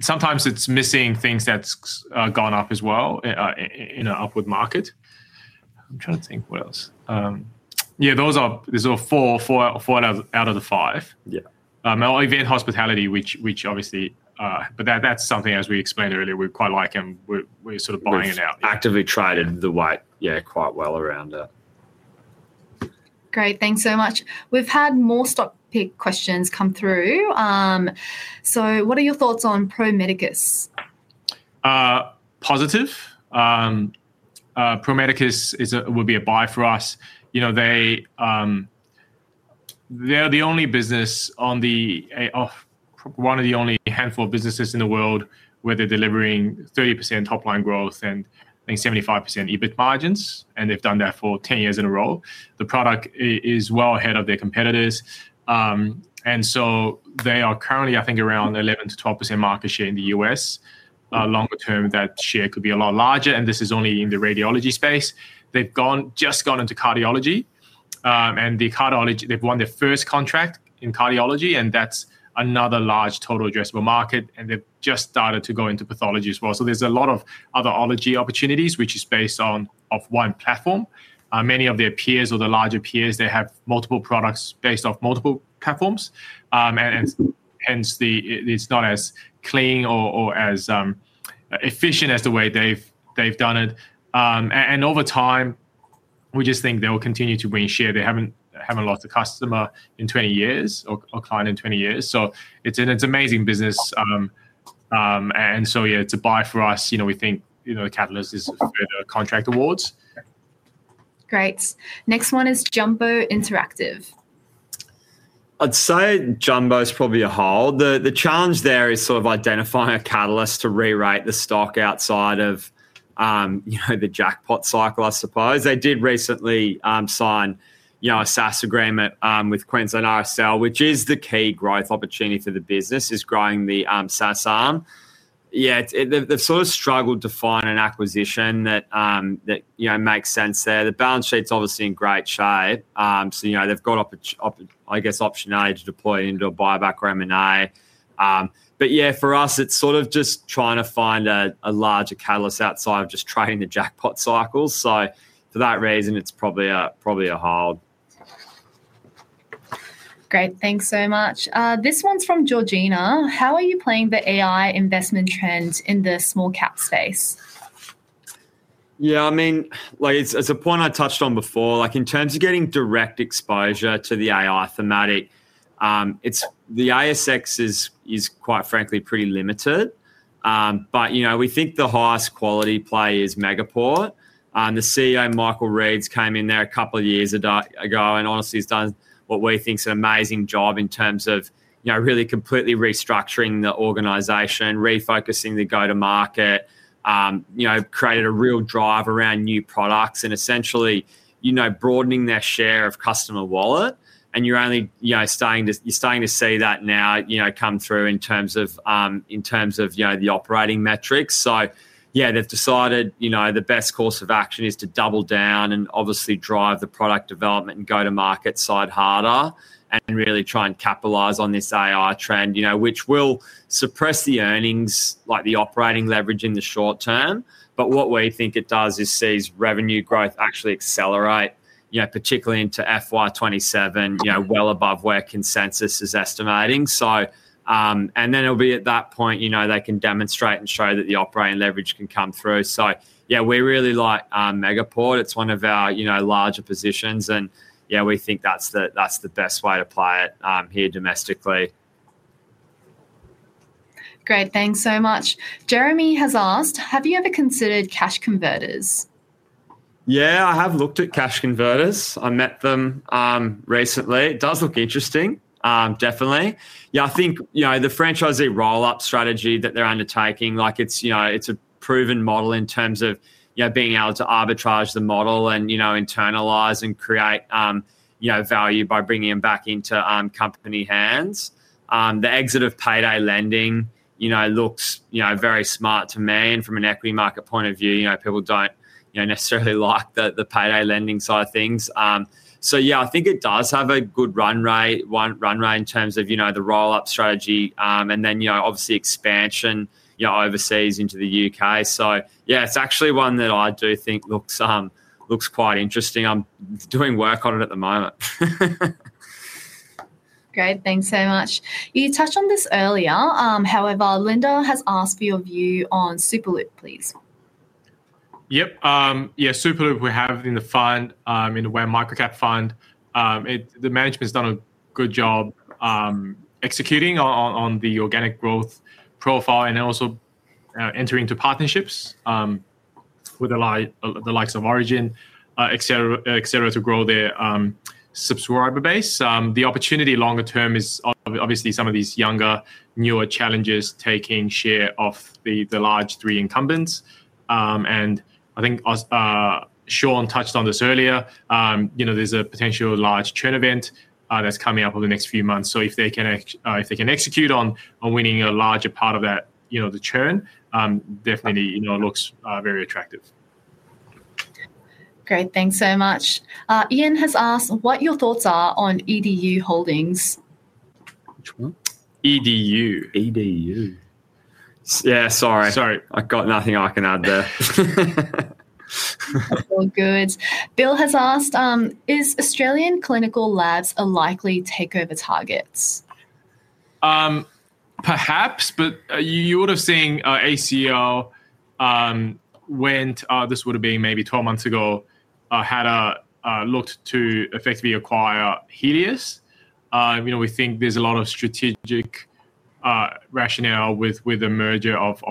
Sometimes it's missing things that's gone up as well in an upward market. I'm trying to think what else. Yeah, these are four out of the five. I mean, I like Venn Hospitality, which obviously, but that's something, as we explained earlier, we quite like and we're sort of buying it out. Actively tried in the white, yeah, quite well around it. Great, thanks so much. We've had more stock pick questions come through. What are your thoughts on Pro Medicus? Positive. Prometicus would be a buy for us. You know, they're the only business on the, one of the only handful of businesses in the world where they're delivering 30% top line growth and I think 75% EBIT margins. They've done that for 10 years in a row. The product is well ahead of their competitors. They are currently, I think, around 11% to 12% market share in the U.S. Longer term, that share could be a lot larger. This is only in the radiology space. They've just gone into cardiology, and they've won their first contract in cardiology. That's another large total addressable market. They've just started to go into pathology as well. There's a lot of other ology opportunities, which is based on one platform. Many of their peers or the larger peers have multiple products based off multiple platforms, and hence, it's not as clean or as efficient as the way they've done it. Over time, we just think they'll continue to win share. They haven't lost a customer or client in 20 years. It's an amazing business. Yeah, it's a buy for us. We think the catalyst is for the contract awards. Great. Next one is Jumbo Interactive. I'd say Jumbo is probably a hold. The challenge there is sort of identifying a catalyst to rewrite the stock outside of, you know, the jackpot cycle, I suppose. They did recently sign, you know, a SaaS agreement with Queensland RSL, which is the key growth opportunity for the business, is growing the SaaS arm. They've sort of struggled to find an acquisition that, you know, makes sense there. The balance sheet's obviously in great shape. They've got opportunity, I guess, option A to deploy into a buyback revenue. For us, it's sort of just trying to find a larger catalyst outside of just trading the jackpot cycle. For that reason, it's probably a hold. Great, thanks so much. This one's from Georgina. How are you playing the AI investment trend in the small cap space? Yeah, I mean, like it's a point I touched on before, like in terms of getting direct exposure to the AI thematic, the ASX is quite frankly pretty limited. We think the highest quality play is Megaport. The CEO, Michael Reeds, came in there a couple of years ago and honestly has done what we think is an amazing job in terms of really completely restructuring the organization, refocusing the go-to-market, created a real drive around new products and essentially broadening their share of customer wallet. You're starting to see that now come through in terms of the operating metrics. They've decided the best course of action is to double down and obviously drive the product development and go-to-market side harder and really try and capitalize on this AI trend, which will suppress the earnings, like the operating leverage in the short term. What we think it does is sees revenue growth actually accelerate, particularly into FY2027, well above where consensus is estimating. At that point, they can demonstrate and show that the operating leverage can come through. We really like Megaport. It's one of our larger positions, and we think that's the best way to play it here domestically. Great, thanks so much. Jeremy has asked, have you ever considered cash converters? Yeah, I have looked at Cash Converters. I met them recently. It does look interesting, definitely. I think the franchisee roll-up strategy that they're undertaking is a proven model in terms of being able to arbitrage the model and internalize and create value by bringing them back into company hands. The exit of payday lending looks very smart to me. From an equity market point of view, people don't necessarily like the payday lending side of things. I think it does have a good run rate in terms of the roll-up strategy, and obviously expansion overseas into the UK. It's actually one that I do think looks quite interesting. I'm doing work on it at the moment. Great, thanks so much. You touched on this earlier. However, Linda has asked for your view on Superloop, please. Yep. Yeah, Superloop we have in the fund, in the WAM Microcap fund. The management's done a good job executing on the organic growth profile and also entering into partnerships with the likes of Origin, et cetera, et cetera, to grow their subscriber base. The opportunity longer term is obviously some of these younger, newer challengers taking share of the large three incumbents. I think Sean touched on this earlier. You know, there's a potential large churn event that's coming up over the next few months. If they can execute on winning a larger part of that, you know, the churn definitely, you know, it looks very attractive. Great, thanks so much. Ian has asked what your thoughts are on EDU Holdings. EDU? Yeah, sorry, I've got nothing I can add there. All good. Bill has asked, is Australian Clinical Labs a likely takeover target? Perhaps, but you would have seen ACL when this would have been maybe 12 months ago, had looked to effectively acquire Healius. We think there's a lot of strategic rationale with the merger of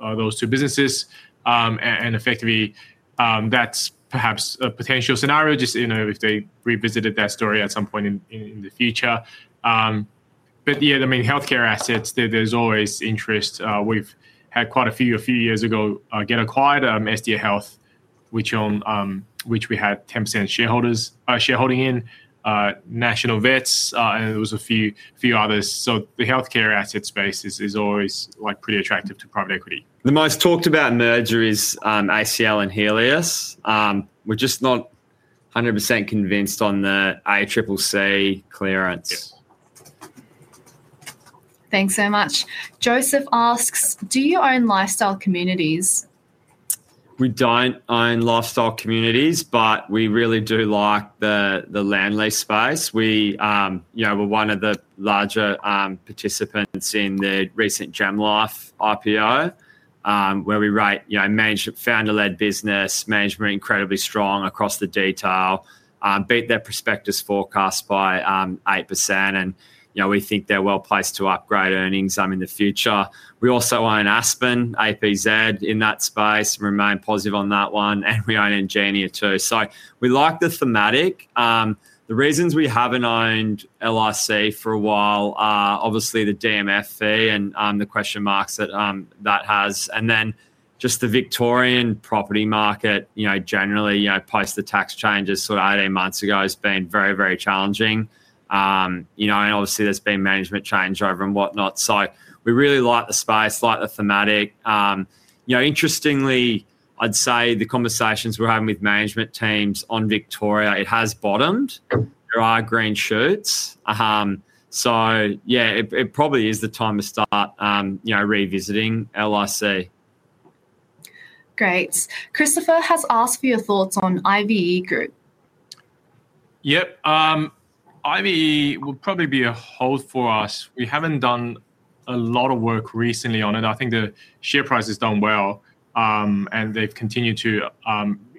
those two businesses. Effectively, that's perhaps a potential scenario if they revisited that story at some point in the future. Healthcare assets, there's always interest. We've had quite a few a few years ago get acquired, SDA Health, which we had 10% shareholding in, National Vets, and there were a few others. The healthcare asset space is always pretty attractive to private equity. The most talked about merger is ACL and Healius. We're just not 100% convinced on the ACCC clearance. Thanks so much. Joseph asks, do you own Lifestyle Communities? We don't own Lifestyle Communities, but we really do like the land lease space. We were one of the larger participants in the recent Jamlife IPO, where we rate, you know, founder-led business, management incredibly strong across the detail, beat their prospectus forecast by 8%. We think they're well placed to upgrade earnings in the future. We also own Aspen, APZ in that space, remain positive on that one, and we own Ingenia too. We like the thematic. The reasons we haven't owned LIC for a while are obviously the DMF fee and the question marks that that has. The Victorian property market, generally, post the tax changes sort of 18 months ago has been very, very challenging. There has been management change over and whatnot. We really like the space, like the thematic. Interestingly, I'd say the conversations we're having with management teams on Victoria, it has bottomed. There are green shoots. It probably is the time to start revisiting LIC. Great. Christopher has asked for your thoughts on IBE Group. Yep. IBE would probably be a hold for us. We haven't done a lot of work recently on it. I think the share price has done well, and they've continued to,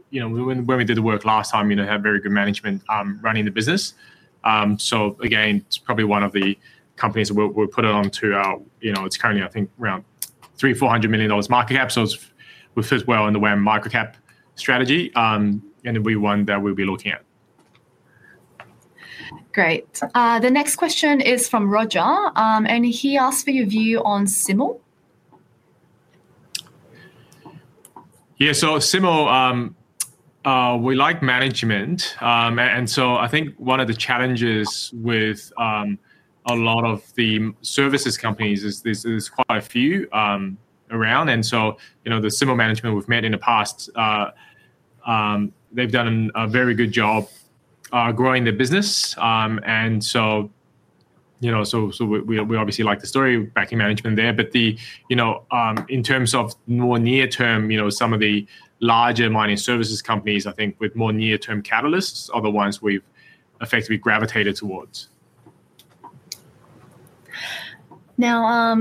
you know, when we did the work last time, you know, have very good management running the business. It's probably one of the companies we'll put on to our, you know, it's currently, I think, around $300 million to $400 million market cap. It fits well in the WAM Microcap strategy, and it'll be one that we'll be looking at. Great. The next question is from Roger. He asked for your view on Cymal. Yeah, so Cymal, we like management. I think one of the challenges with a lot of the services companies is there's quite a few around. The Cymal management we've met in the past, they've done a very good job growing their business. We obviously like the story backing management there. In terms of more near term, some of the larger mining services companies, I think with more near term catalysts are the ones we've effectively gravitated towards. Now,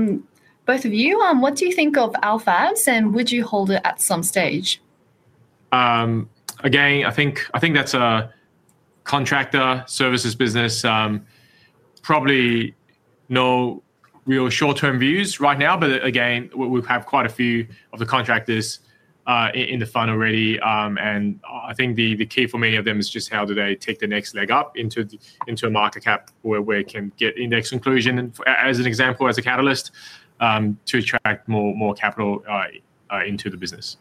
both of you, what do you think of Alphas, and would you hold it at some stage? Again, I think that's a contractor services business. Probably no real short-term views right now, but we've had quite a few of the contractors in the fund already. I think the key for many of them is just how do they take the next leg up into a market cap where we can get index inclusion as an example, as a catalyst to attract more capital into the business.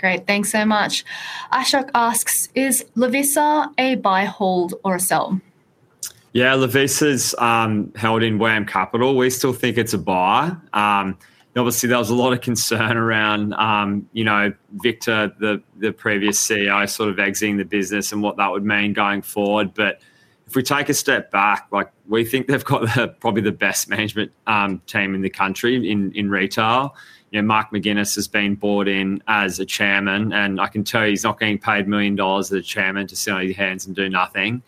Great, thanks so much. Ashok asks, is Lovisa a buy, hold, or a sell? Yeah, Lovisa's held in WAM Capital. We still think it's a buy. Obviously, there was a lot of concern around, you know, Victor, the previous CEO, sort of exiting the business and what that would mean going forward. If we take a step back, we think they've got probably the best management team in the country in retail. Mark McGuinness has been brought in as Chairman, and I can tell you he's not getting paid $1 million as Chairman to sit on your hands and do nothing.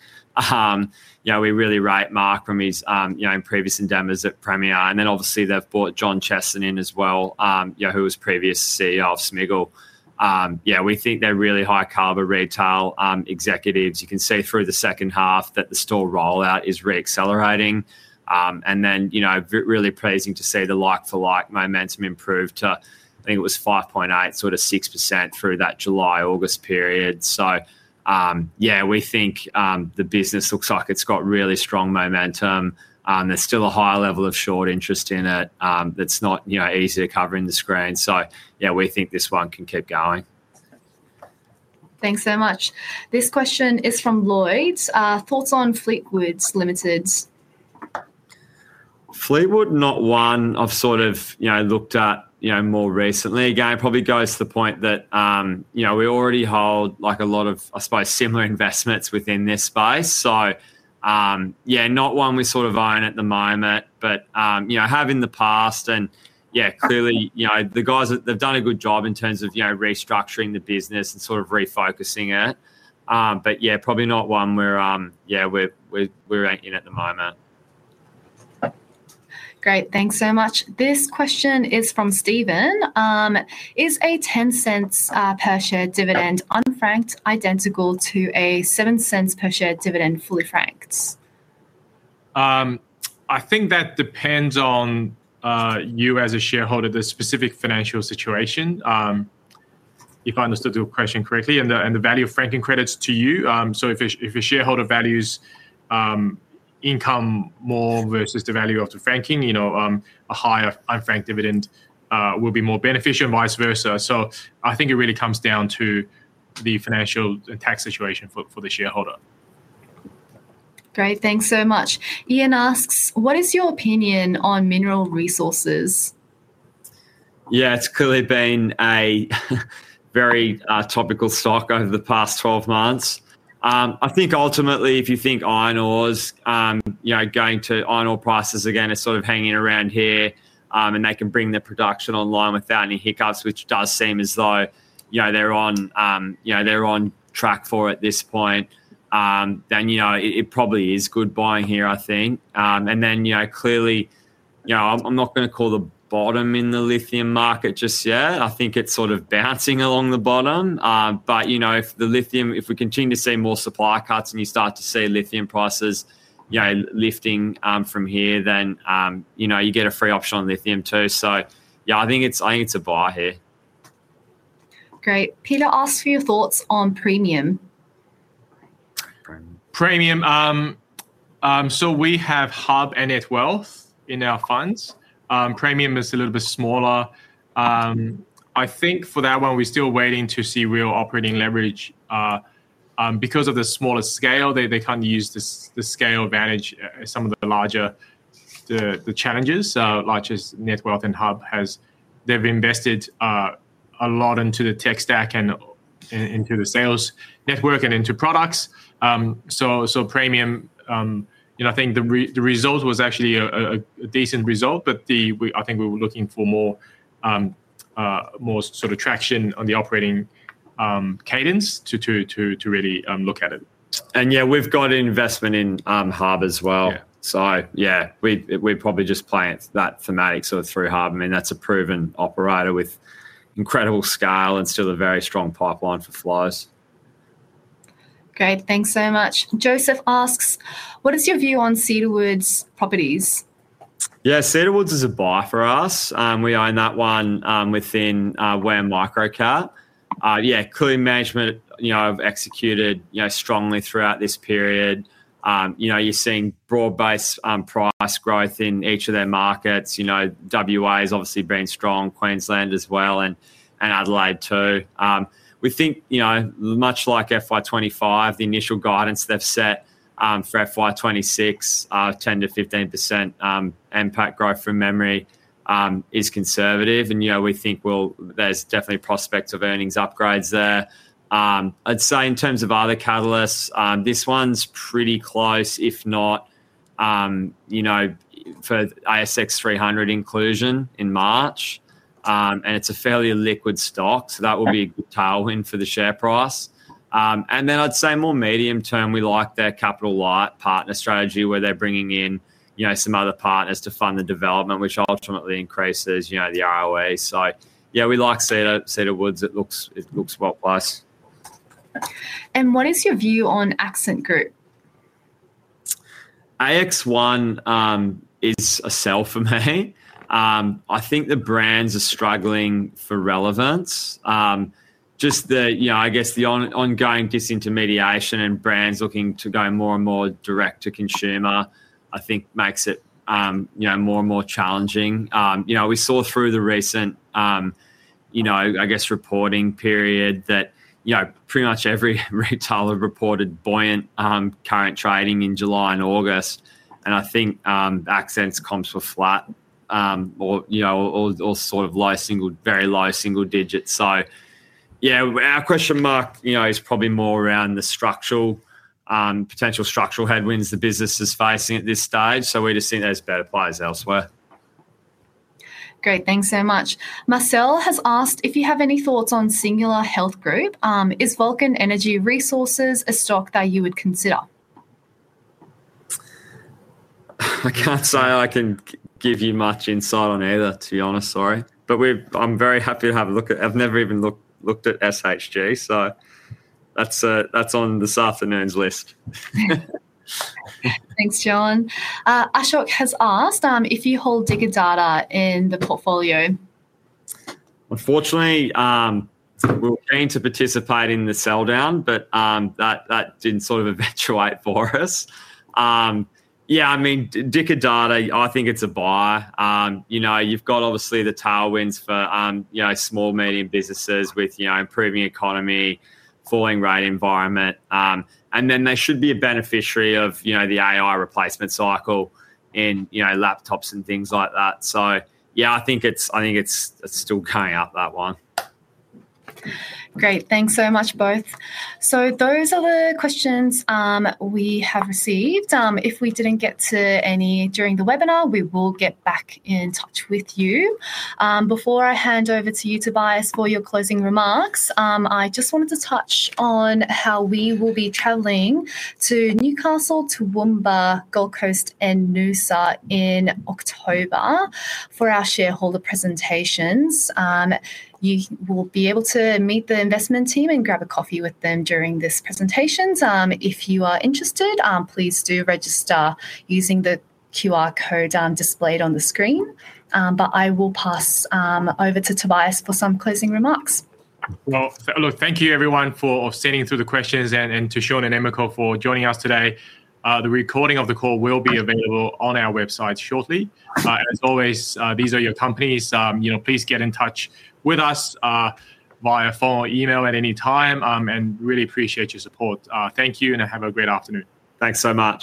We really rate Mark from his previous endeavors at Premier. Obviously, they've brought John Cheston in as well, who was previous CEO of Smiggle. We think they're really high-caliber retail executives. You can see through the second half that the store rollout is reaccelerating. It's really pleasing to see the like-for-like momentum improve to, I think it was 5.8%, sort of 6% through that July-August period. We think the business looks like it's got really strong momentum. There's still a high level of short interest in it that's not easy to cover in the screen. We think this one can keep going. Thanks so much. This question is from Lloyd. Thoughts on FleetPartners Group? Fleetwood, not one I've sort of looked at more recently. It probably goes to the point that we already hold a lot of, I suppose, similar investments within this space. Not one we sort of own at the moment, but have in the past. Clearly, the guys have done a good job in terms of restructuring the business and refocusing it. Probably not one we're ranking at the moment. Great, thanks so much. This question is from Stephen. Is a $0.10 per share dividend unfranked identical to a $0.07 per share dividend fully franked? I think that depends on you as a shareholder, the specific financial situation. If I understood the question correctly, and the value of franking credits to you. If a shareholder values income more versus the value of the franking, a higher unfranked dividend will be more beneficial and vice versa. I think it really comes down to the financial tax situation for the shareholder. Great, thanks so much. Ian asks, what is your opinion on mineral resources? Yeah, it's clearly been a very topical stock over the past 12 months. I think ultimately, if you think iron ore is, you know, going to iron ore prices again, it's sort of hanging around here and they can bring their production online without any hiccups, which does seem as though, you know, they're on track for it at this point. You know, it probably is good buying here, I think. Clearly, you know, I'm not going to call the bottom in the lithium market just yet. I think it's sort of bouncing along the bottom. If we continue to see more supply cuts and you start to see lithium prices, you know, lifting from here, then, you know, you get a free option on lithium too. Yeah, I think it's a buy here. Great. Peter asks for your thoughts on premium. Premium. We have HUB and NetWealth in our funds. Premium is a little bit smaller. I think for that one, we're still waiting to see real operating leverage because of the smaller scale. They can't use the scale advantage. Some of the larger challengers, such as NetWealth and HUB, have invested a lot into the tech stack and into the sales network and into products. Premium, you know, I think the result was actually a decent result, but I think we were looking for more sort of traction on the operating cadence to really look at it. We've got an investment in HUB as well. We probably just play that thematic sort of through HUB. I mean, that's a proven operator with incredible scale and still a very strong pipeline for flows. Great, thanks so much. Joseph asks, what is your view on Cedarwood's properties? Yeah, Cedar Woods is a buy for us. We own that one within WAM Microcap. Clear management, you know, executed strongly throughout this period. You're seeing broad-based price growth in each of their markets. WA has obviously been strong, Queensland as well, and Adelaide too. We think, much like FY25, the initial guidance they've set for FY26, 10 to 15% impact growth from memory is conservative. We think there's definitely prospects of earnings upgrades there. I'd say in terms of other catalysts, this one's pretty close, if not, for the ASX 300 inclusion in March. It's a fairly liquid stock, so that will be a tailwind for the share price. I'd say more medium term, we like their capital light partner strategy where they're bringing in some other partners to fund the development, which ultimately increases the ROE. We like Cedar Woods. It looks worthwhile. What is your view on Accent Group? AX1 is a sell for me. I think the brands are struggling for relevance. The ongoing disintermediation and brands looking to go more and more direct to consumer, I think makes it more and more challenging. We saw through the recent reporting period that pretty much every retailer reported buoyant current trading in July and August. I think Accent's comps were flat or all sort of very low single digits. Our question mark is probably more around the potential structural headwinds the business is facing at this stage. We just think there's better players elsewhere. Great, thanks so much. Marcel has asked if you have any thoughts on Singular Health Group. Is Vulcan Energy Resources a stock that you would consider? I can't say I can give you much insight on either, to be honest, sorry. I'm very happy to have a look at it. I've never even looked at SHG, so that's on this afternoon's list. Thanks, John. Ashok has asked if you hold Dicker Data in the portfolio. Unfortunately, we're keen to participate in the sell down, but that didn't sort of eventuate for us. I mean, Dicker Data, I think it's a buy. You've got obviously the tailwinds for small and medium businesses with an improving economy, falling rate environment. They should be a beneficiary of the AI replacement cycle in laptops and things like that. I think it's still coming up, that one. Great, thanks so much both. Those are the questions we have received. If we didn't get to any during the webinar, we will get back in touch with you. Before I hand over to you, Tobias, for your closing remarks, I just wanted to touch on how we will be traveling to Newcastle, Toowoomba, Gold Coast, and Noosa in October for our shareholder presentations. You will be able to meet the investment team and grab a coffee with them during this presentation. If you are interested, please do register using the QR code displayed on the screen. I will pass over to Tobias for some closing remarks. Thank you everyone for sending through the questions and to Sean and Emma Coleridge for joining us today. The recording of the call will be available on our website shortly. As always, these are your companies. Please get in touch with us via phone or email at any time. Really appreciate your support. Thank you and have a great afternoon. Thanks so much.